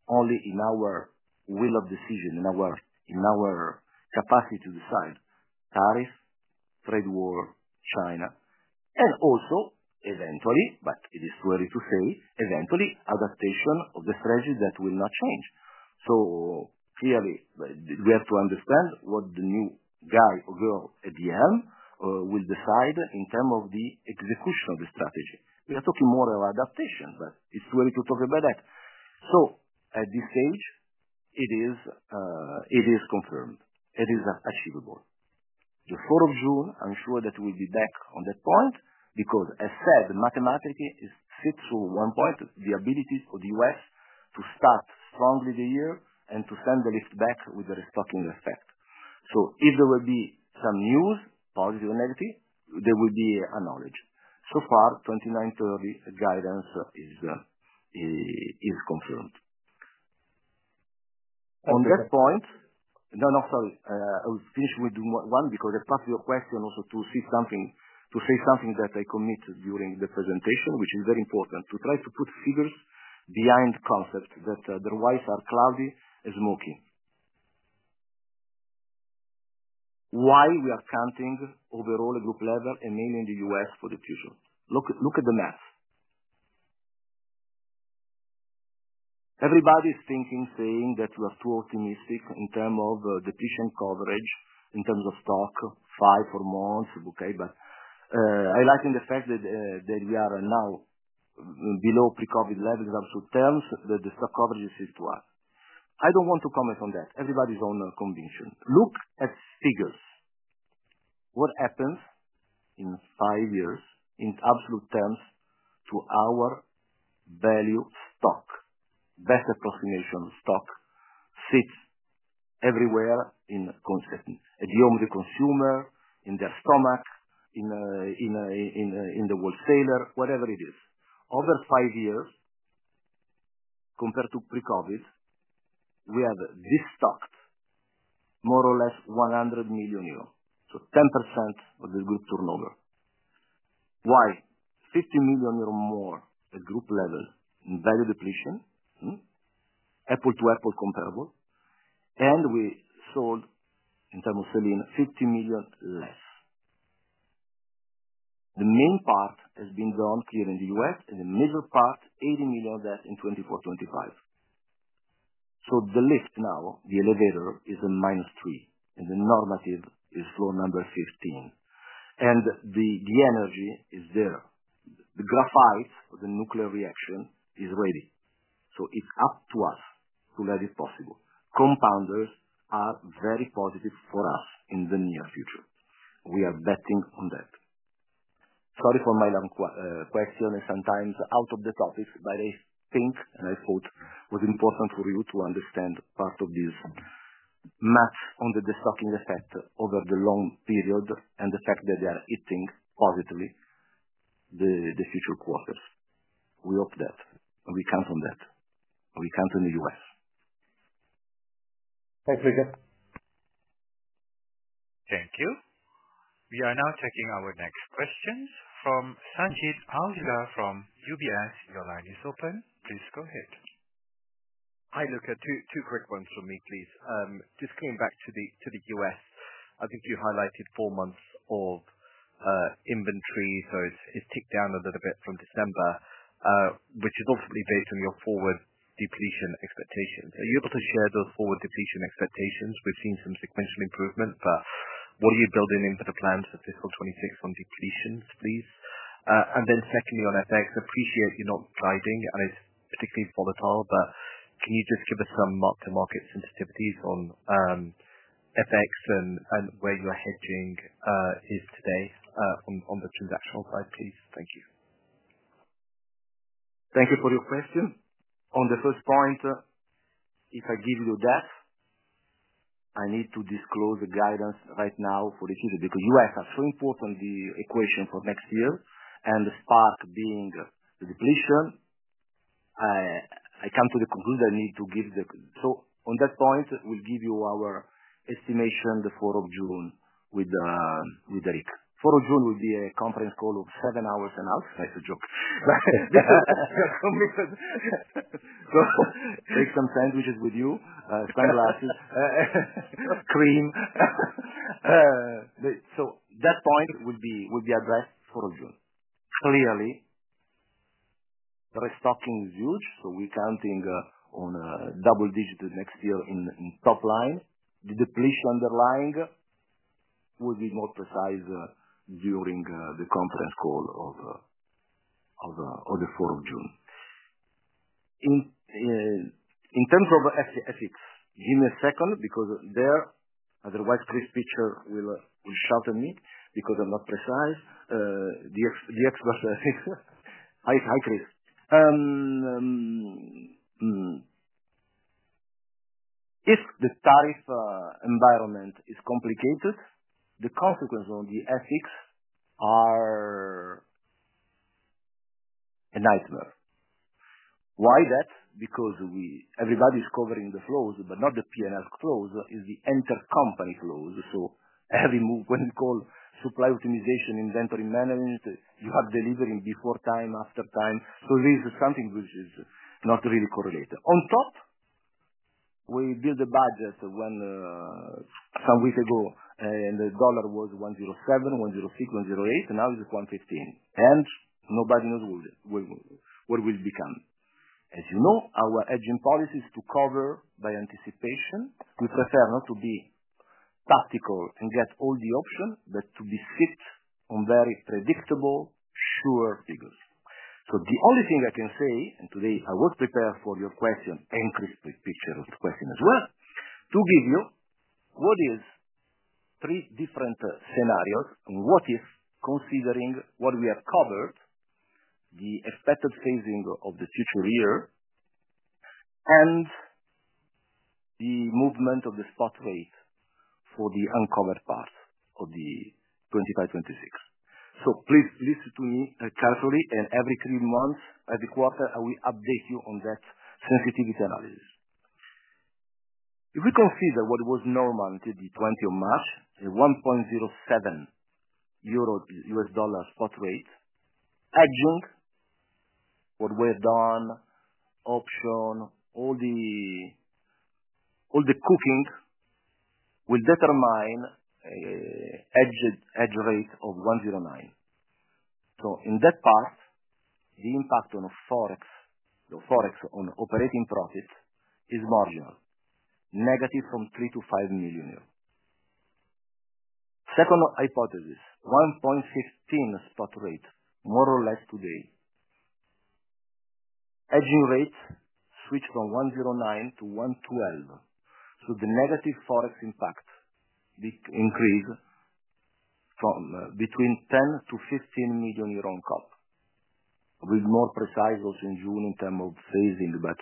only in our will of decision, in our capacity to decide tariffs, trade war, China, and also eventually, but it is too early to say, eventually adaptation of the strategy that will not change. Clearly, we have to understand what the new guy or girl at Yelm will decide in terms of the execution of the strategy. We are talking more of adaptation, but it's too early to talk about that. At this stage, it is confirmed. It is achievable. The 4th of June, I'm sure that we'll be back on that point because, as said, mathematically, it sits on one point, the ability of the U.S. to start strongly the year and to send the lift back with the restocking effect. If there will be some news, positive or negative, there will be acknowledged. So far, 2029-2030, the guidance is confirmed. On that point, no, no, sorry. I will finish with one because I passed your question also to say something that I commit during the presentation, which is very important to try to put figures behind concepts that otherwise are cloudy and smoky. Why we are counting overall at group level, mainly in the U.S., for the future? Look at the math. Everybody is thinking, saying that we are too optimistic in terms of depletion coverage, in terms of stock, five or more months, okay, but highlighting the fact that we are now below pre-COVID levels in absolute terms, that the stock coverage is still too high. I do not want to comment on that. Everybody's own conviction. Look at figures. What happens in five years in absolute terms to our value stock? Best approximation of stock sits everywhere at the home of the consumer, in their stomach, in the wholesaler, whatever it is. Over five years, compared to pre-COVID, we have destocked more or less 100 million euro. So, 10% of the group turnover. Why? 50 million euro more at group level in value depletion, apple to apple comparable, and we sold, in terms of sell-in, 50 million less. The main part has been done clear in the U.S., and the middle part, 80 million of that in 2024-2025. The lift now, the elevator is a minus three, and the normative is floor number 15. The energy is there. The graphite of the nuclear reaction is ready. It is up to us to let it possible. Compounders are very positive for us in the near future. We are betting on that. Sorry for my long question and sometimes out of the topic, but I think, and I quote, "Was important for you to understand part of this math on the destocking effect over the long period and the fact that they are hitting positively the future quarters." We hope that. We count on that. We count on the U.S. Thanks, Luca. Thank you. We are now taking our next questions from Sanjeet Aujla from UBS. Your line is open. Please go ahead. Hi, Luca. Two quick ones from me, please. Just coming back to the U.S., I think you highlighted four months of inventory, so it's ticked down a little bit from December, which is ultimately based on your forward depletion expectations. Are you able to share those forward depletion expectations? We've seen some sequential improvement, but what are you building into the plans for fiscal 2026 on depletions, please? Secondly, on FX, appreciate you're not gliding, and it's particularly volatile, but can you just give us some mark-to-market sensitivities on FX and where your hedging is today on the transactional side, please? Thank you. Thank you for your question. On the first point, if I give you that, I need to disclose the guidance right now for this year because U.S. are so important in the equation for next year and the spark being the depletion. I come to the conclusion I need to give the. On that point, we'll give you our estimation the 4th of June with Eric. 4th of June will be a conference call of seven hours and half. That's a joke. Take some sandwiches with you, sunglasses, cream. That point will be addressed 4th of June. Clearly, restocking is huge, so we're counting on double digits next year in top line. The depletion underlying will be more precise during the conference call of the 4th of June. In terms of FX, give me a second because otherwise Chris Pitcher will shout at me because I'm not precise. The expert, hi, Chris. If the tariff environment is complicated, the consequences on the FX are a nightmare. Why that? Because everybody's covering the flows, but not the P&L flows, it's the intercompany flows. Every movement called supply optimization, inventory management, you have delivery before time, after time. This is something which is not really correlated. On top, we built a budget some weeks ago, and the dollar was 107, 106, 108, and now it's 115. Nobody knows what it will become. As you know, our hedging policy is to cover by anticipation. We prefer not to be tactical and get all the options, but to be fit on very predictable, sure figures. The only thing I can say, and today I was prepared for your question and Chris Pitcher's question as well, to give you what is three different scenarios, what if considering what we have covered, the expected phasing of the future year, and the movement of the spot rate for the uncovered part of the 2025-2026. Please listen to me carefully, and every three months, every quarter, I will update you on that sensitivity analysis. If we consider what was normal until the 20th of March, a $1.07 U.S. dollar spot rate, hedging, what we have done, option, all the cooking will determine a hedge rate of 1.09. In that part, the impact on the forex, the forex on operating profit is marginal, negative from 3 million-5 million euros. Second hypothesis, 1.15 spot rate, more or less today, hedging rate switched from 1.09 to 1.12. The negative forex impact increased from between 10 million and 15 million euro on comp, with more precise also in June in terms of phasing, but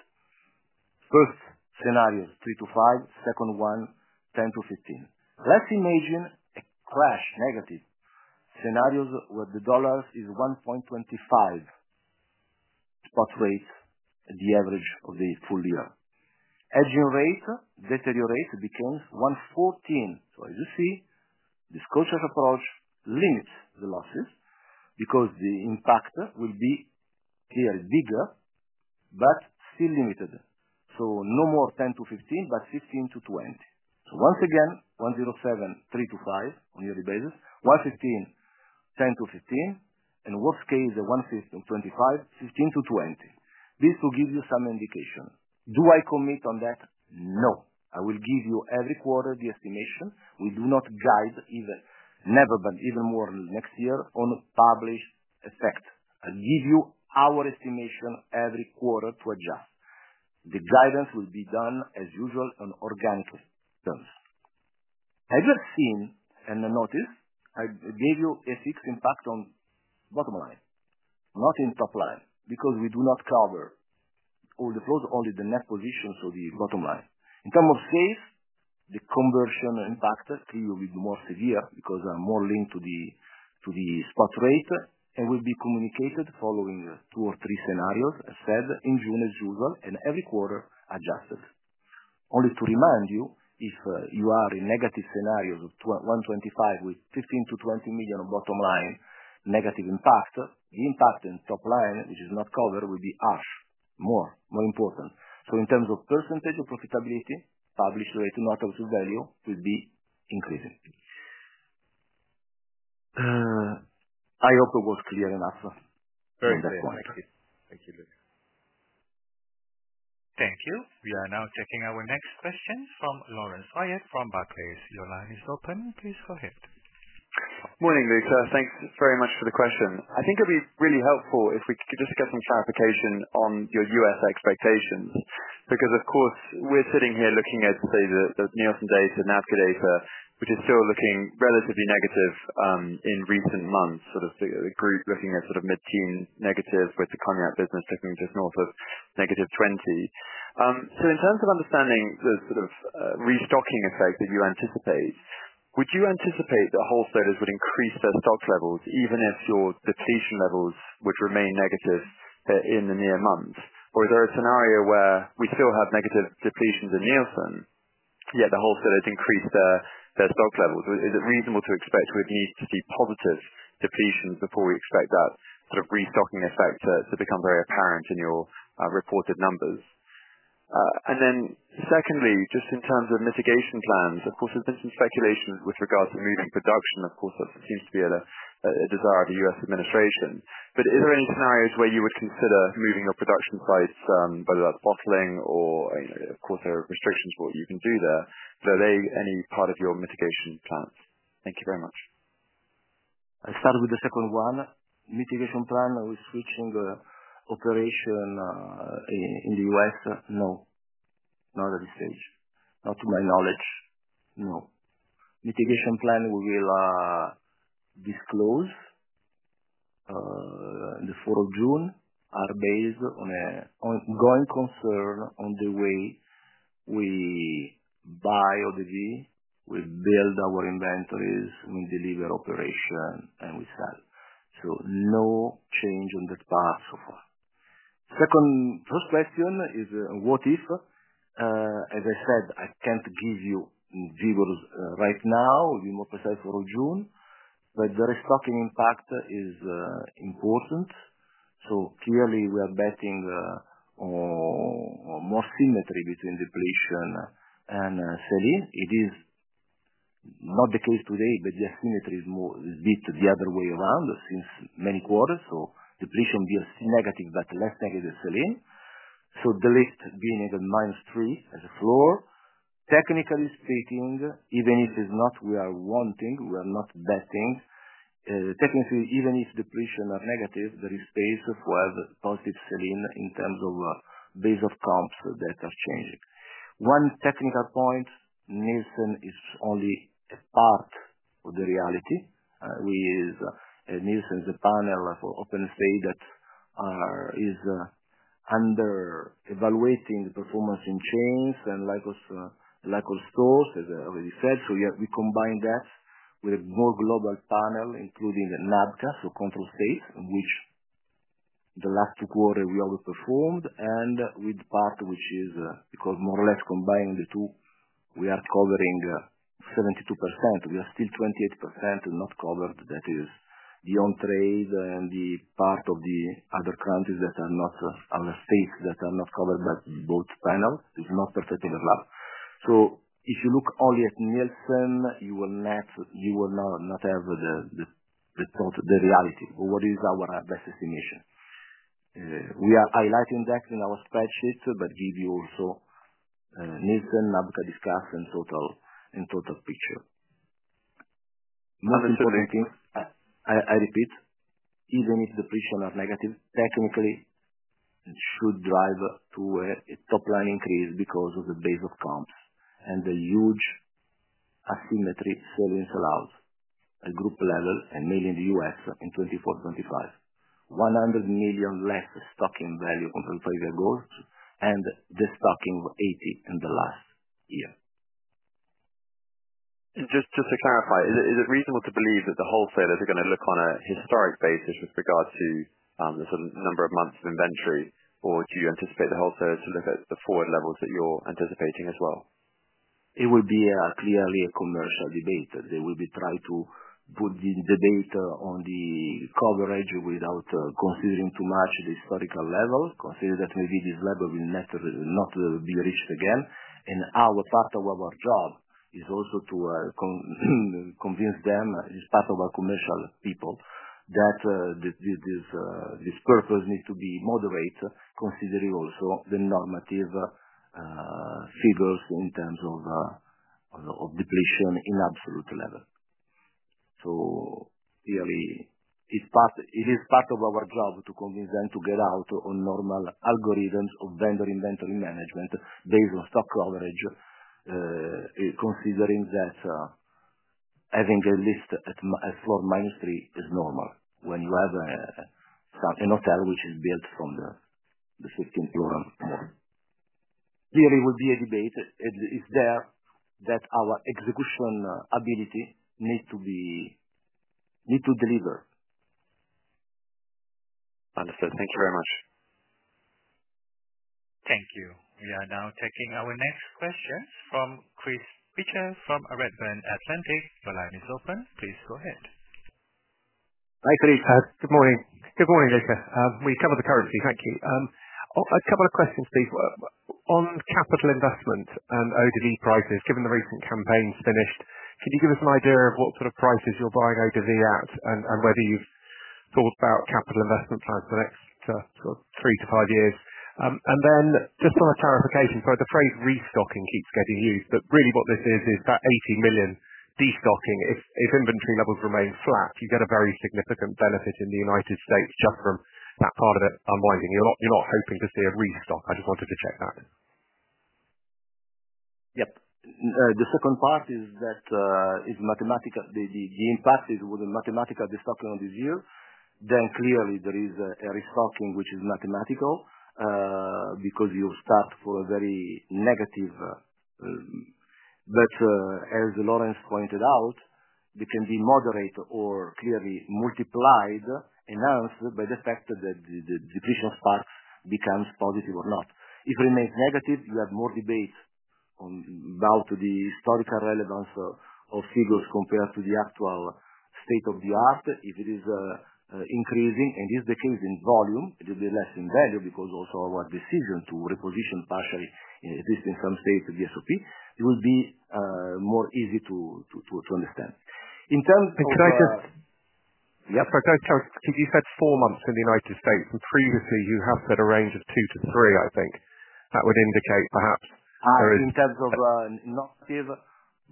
first scenario, 3 million-5 million, second one, 10 million-15 million. Let's imagine a crash, negative scenarios where the dollar is 1.25 spot rate, the average of the full year. Hedging rate deteriorates and becomes 1.14. As you see, this cautious approach limits the losses because the impact will be clearly bigger, but still limited. No more 10 million-15 million, but 15 million-20 million. Once again, 107, three to five on yearly basis, 115, 10-15, and worst case is 15-25, 15-20. This will give you some indication. Do I commit on that? No. I will give you every quarter the estimation. We do not guide either, never, but even more next year on published effect. I give you our estimation every quarter to adjust. The guidance will be done as usual on organic terms. Have you seen and noticed I gave you FX impact on bottom line, not in top line because we do not cover all the flows, only the net position, so the bottom line. In terms of saves, the conversion impact clearly will be more severe because I'm more linked to the spot rate, and will be communicated following two or three scenarios, as said, in June as usual, and every quarter adjusted. Only to remind you, if you are in negative scenarios of 125 with 15-20 million bottom line negative impact, the impact in top line, which is not covered, will be harsh, more, more important. In terms of percentage of profitability, published rate, not out of value, will be increasing. I hope I was clear enough on that point. Thank you, Luca. Thank you. We are now taking our next question from Laurence Whyatt from Barclays. Your line is open. Please go ahead. Morning, Luca. Thanks very much for the question. I think it would be really helpful if we could just get some clarification on your U.S. expectations because, of course, we're sitting here looking at, say, the Nielsen data, NAFTA data, which is still looking relatively negative in recent months, sort of the group looking at sort of mid-teen negative with the cognac business taking just north of negative 20%. In terms of understanding the sort of restocking effect that you anticipate, would you anticipate that wholesalers would increase their stock levels even if your depletion levels would remain negative in the near month? Is there a scenario where we still have negative depletions in Nielsen, yet the wholesalers increase their stock levels? Is it reasonable to expect we'd need to see positive depletions before we expect that sort of restocking effect to become very apparent in your reported numbers? Secondly, just in terms of mitigation plans, of course, there's been some speculation with regards to moving production. Of course, that seems to be a desire of the U.S. administration. Are there any scenarios where you would consider moving your production sites, whether that's bottling or, of course, there are restrictions on what you can do there? Are they any part of your mitigation plans? Thank you very much. I started with the second one. Mitigation plan with switching operation in the U.S., no. Not at this stage. Not to my knowledge, no. Mitigation plan we will disclose the 4th of June are based on an ongoing concern on the way we buy or we build our inventories, we deliver operation, and we sell. No change on that part so far. Second, first question is what if, as I said, I can't give you figures right now, be more precise for June, but the restocking impact is important. Clearly, we are betting on more symmetry between depletion and sell-in. It is not the case today, but the asymmetry is a bit the other way around since many quarters. Depletion will be negative, but less negative sell-in. The lift being at minus three as a floor. Technically speaking, even if it's not what we are wanting, we are not betting. Technically, even if depletions are negative, there is space for positive sell-in in terms of base of comps that are changing. One technical point, Nielsen is only a part of the reality. Nielsen is a panel for open state that is under evaluating performance in chains and Lycos stores, as I already said. We combine that with a more global panel, including NAFTA, so control states, in which the last two quarters we overperformed, and with the part which is, because more or less combining the two, we are covering 72%. We are still 28% not covered. That is beyond trade and the part of the other countries that are not, other states that are not covered by both panels. It's not perfectly overlapped. If you look only at Nielsen, you will not have the total, the reality. What is our best estimation? We are highlighting that in our spreadsheet, but give you also Nielsen, NAFTA discussed in total picture. Most important thing, I repeat, even if depletions are negative, technically should drive to a top line increase because of the base of comps and the huge asymmetry salines allows at group level, and mainly in the U.S. in 2024-2025. $100 million less stocking value compared to five years ago, and destocking of 80 in the last year. Just to clarify, is it reasonable to believe that the wholesalers are going to look on a historic basis with regard to the number of months of inventory, or do you anticipate the wholesalers to look at the forward levels that you're anticipating as well? It will be clearly a commercial debate. They will be trying to put the debate on the coverage without considering too much the historical level, considering that maybe this level will not be reached again. Our part of our job is also to convince them, as part of our commercial people, that this purpose needs to be moderate, considering also the normative figures in terms of depletion in absolute level. Clearly, it is part of our job to convince them to get out on normal algorithms of vendor inventory management based on stock coverage, considering that having a list at floor minus three is normal when you have an hotel which is built from the 15th floor and more. Clearly, it will be a debate. It is there that our execution ability needs to deliver. Understood. Thank you very much. Thank you. We are now taking our next questions from Chris Pitcher from Redburn Atlantic. Your line is open. Please go ahead. Hi, Chris. Good morning. Good morning, Luca. We covered the currency. Thank you. A couple of questions, please. On capital investment and ODV prices, given the recent campaign's finished, can you give us an idea of what sort of prices you're buying ODV at and whether you've thought about capital investment plans for the next sort of three to five years? Just for clarification, the phrase restocking keeps getting used, but really what this is, is that $80 million destocking. If inventory levels remain flat, you get a very significant benefit in the United States just from that part of it unwinding. You're not hoping to see a restock. I just wanted to check that. Yep. The second part is that it's mathematical. The impact is with the mathematical destocking on this year. Clearly, there is a restocking which is mathematical because you start for a very negative. As Lawrence pointed out, it can be moderate or clearly multiplied, enhanced by the fact that the depletion spark becomes positive or not. If it remains negative, you have more debate about the historical relevance of figures compared to the actual state of the art. If it is increasing, and it's the case in volume, it will be less in value because also our decision to reposition partially exists in some states of the SOP. It will be more easy to understand. In terms of— Can I just—yep, sorry, sorry. You said four months in the United States, and previously, you have said a range of two to three, I think. That would indicate perhaps there is— In terms of normative,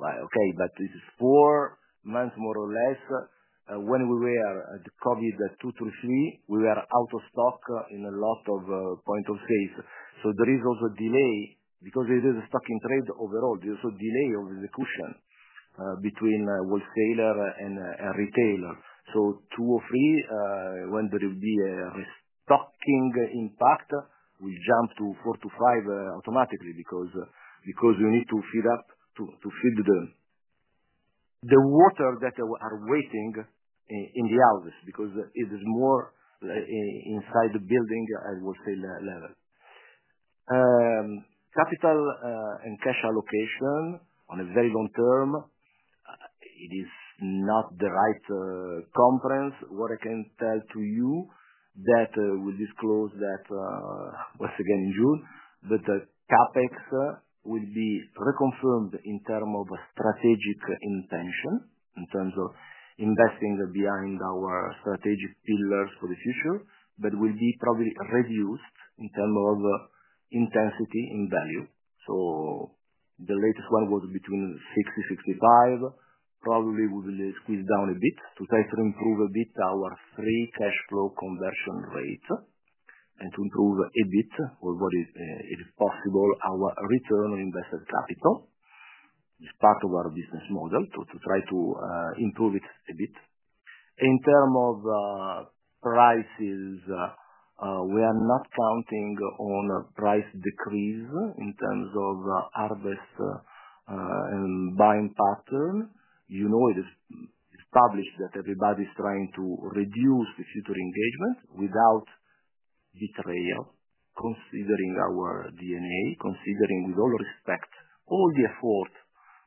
okay, but it's four months more or less. When we were at COVID two to three, we were out of stock in a lot of point of sales. There is also a delay because it is a stocking trade overall. There is also a delay of execution between wholesaler and retailer. Two or three, when there will be a restocking impact, we jump to four to five automatically because we need to feed up, to feed the water that we are waiting in the houses because it is more inside the building at wholesale level. Capital and cash allocation on a very long term, it is not the right comprehense. What I can tell to you is that we will disclose that once again in June, but the CapEx will be reconfirmed in terms of strategic intention, in terms of investing behind our strategic pillars for the future, but will be probably reduced in terms of intensity in value. The latest one was between 60-65. Probably we will squeeze down a bit to try to improve a bit our free cash flow conversion rate and to improve a bit, or what is possible, our return on invested capital. It's part of our business model to try to improve it a bit. In terms of prices, we are not counting on price decrease in terms of harvest and buying pattern. You know it is published that everybody's trying to reduce the future engagement without betrayal, considering our DNA, considering with all respect all the effort,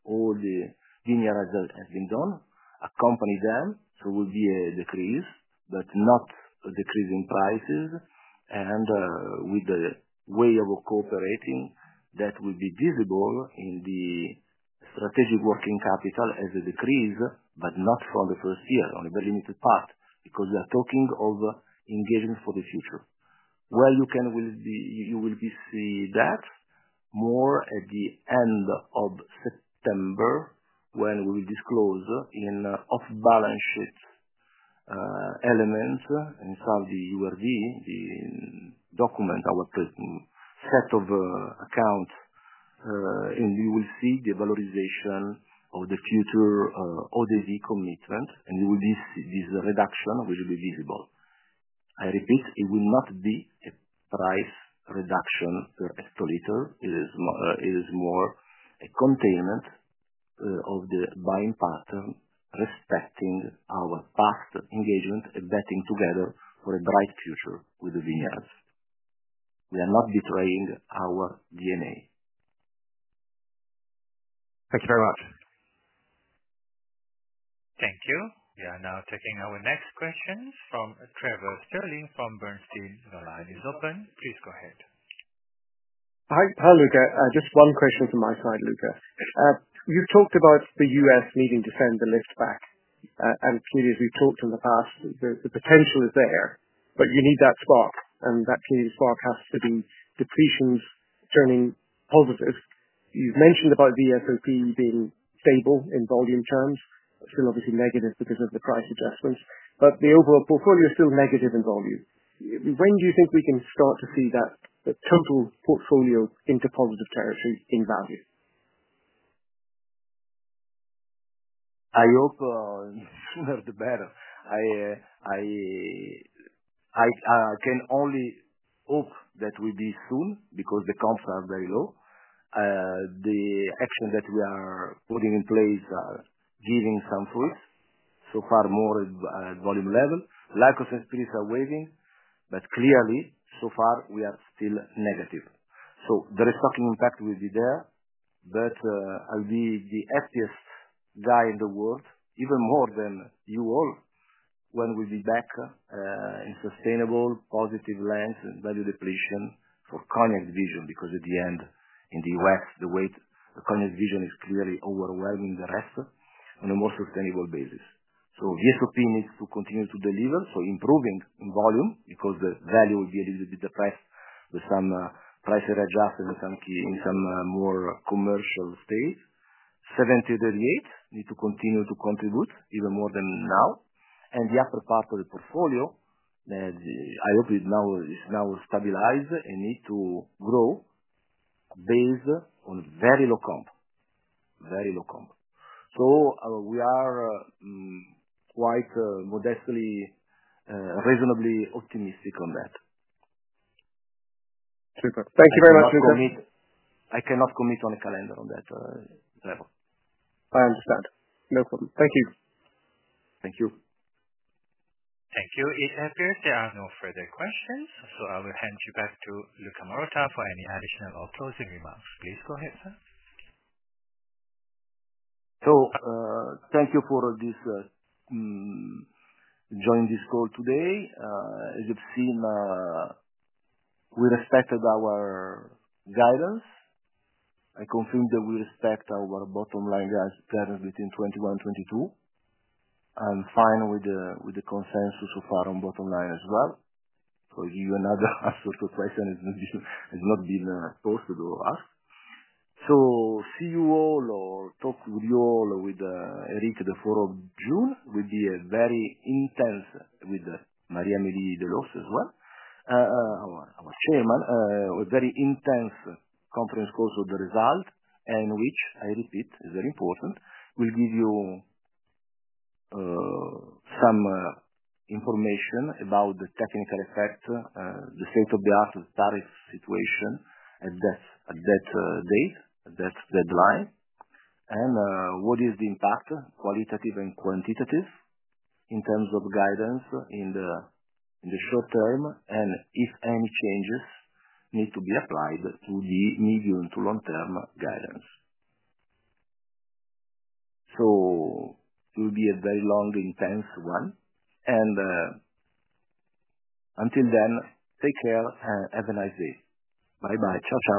all the linear has been done, accompany them. It will be a decrease, but not a decrease in prices. With the way of cooperating, that will be visible in the strategic working capital as a decrease, but not for the first year, only a very limited part, because we are talking of engagement for the future. Where you can, you will see that more at the end of September when we will disclose in off-balance sheet elements inside the URD, the document, our set of accounts, and you will see the valorization of the future ODV commitment, and you will see this reduction will be visible. I repeat, it will not be a price reduction per hectoliter. It is more a containment of the buying pattern respecting our past engagement and betting together for a bright future with the vineyards. We are not betraying our DNA. Thank you very much. Thank you. We are now taking our next questions from Trevor Stirling from Bernstein. Your line is open. Please go ahead. Hi, Luca. Just one question from my side, Luca. You've talked about the U.S. needing to send the lift back, and clearly, as we've talked in the past, the potential is there, but you need that spark, and that clearly spark has to be depletions turning positive. You've mentioned about the SOP being stable in volume terms, still obviously negative because of the price adjustments, but the overall portfolio is still negative in volume. When do you think we can start to see that total portfolio into positive territory in value? I hope the sooner the better. I can only hope that will be soon because the comps are very low. The action that we are putting in place is giving some fruits. So far, more at volume level. Liqueurs & Spirits are waving, but clearly, so far, we are still negative. The restocking impact will be there, but I'll be the happiest guy in the world, even more than you all, when we'll be back in sustainable positive length and value depletion for cognac division because at the end, in the U.S., the way, the cognac division is clearly overwhelming the rest on a more sustainable basis. The SOP needs to continue to deliver. Improving in volume because the value will be a little bit depressed with some price adjustments in some more commercial state. 70, 38 need to continue to contribute even more than now. The upper part of the portfolio, I hope it now is now stabilized and needs to grow based on very low comp, very low comp. We are quite modestly, reasonably optimistic on that. Super. Thank you very much, Luca. I cannot commit on a calendar on that level. I understand. No problem. Thank you. Thank you. Thank you. It appears there are no further questions, so I will hand you back to Luca Marotta for any additional or closing remarks. Please go ahead, sir. Thank you for joining this call today. As you've seen, we respected our guidance. I confirm that we respect our bottom line guidance between 21 and 22 and fine with the consensus so far on bottom line as well. I'll give you another answer to a question that has not been posted or asked. See you all or talk with you all with Eric, the 4th of June. It will be very intense with Marie-Amélie de Leusse as well, our Chairman. A very intense conference call with the result and which, I repeat, is very important. We'll give you some information about the technical effect, the state of the art of the tariff situation at that date, at that deadline, and what is the impact, qualitative and quantitative, in terms of guidance in the short term and if any changes need to be applied to the medium to long-term guidance. It will be a very long, intense one. Until then, take care and have a nice day. Bye-bye. Ciao, ciao.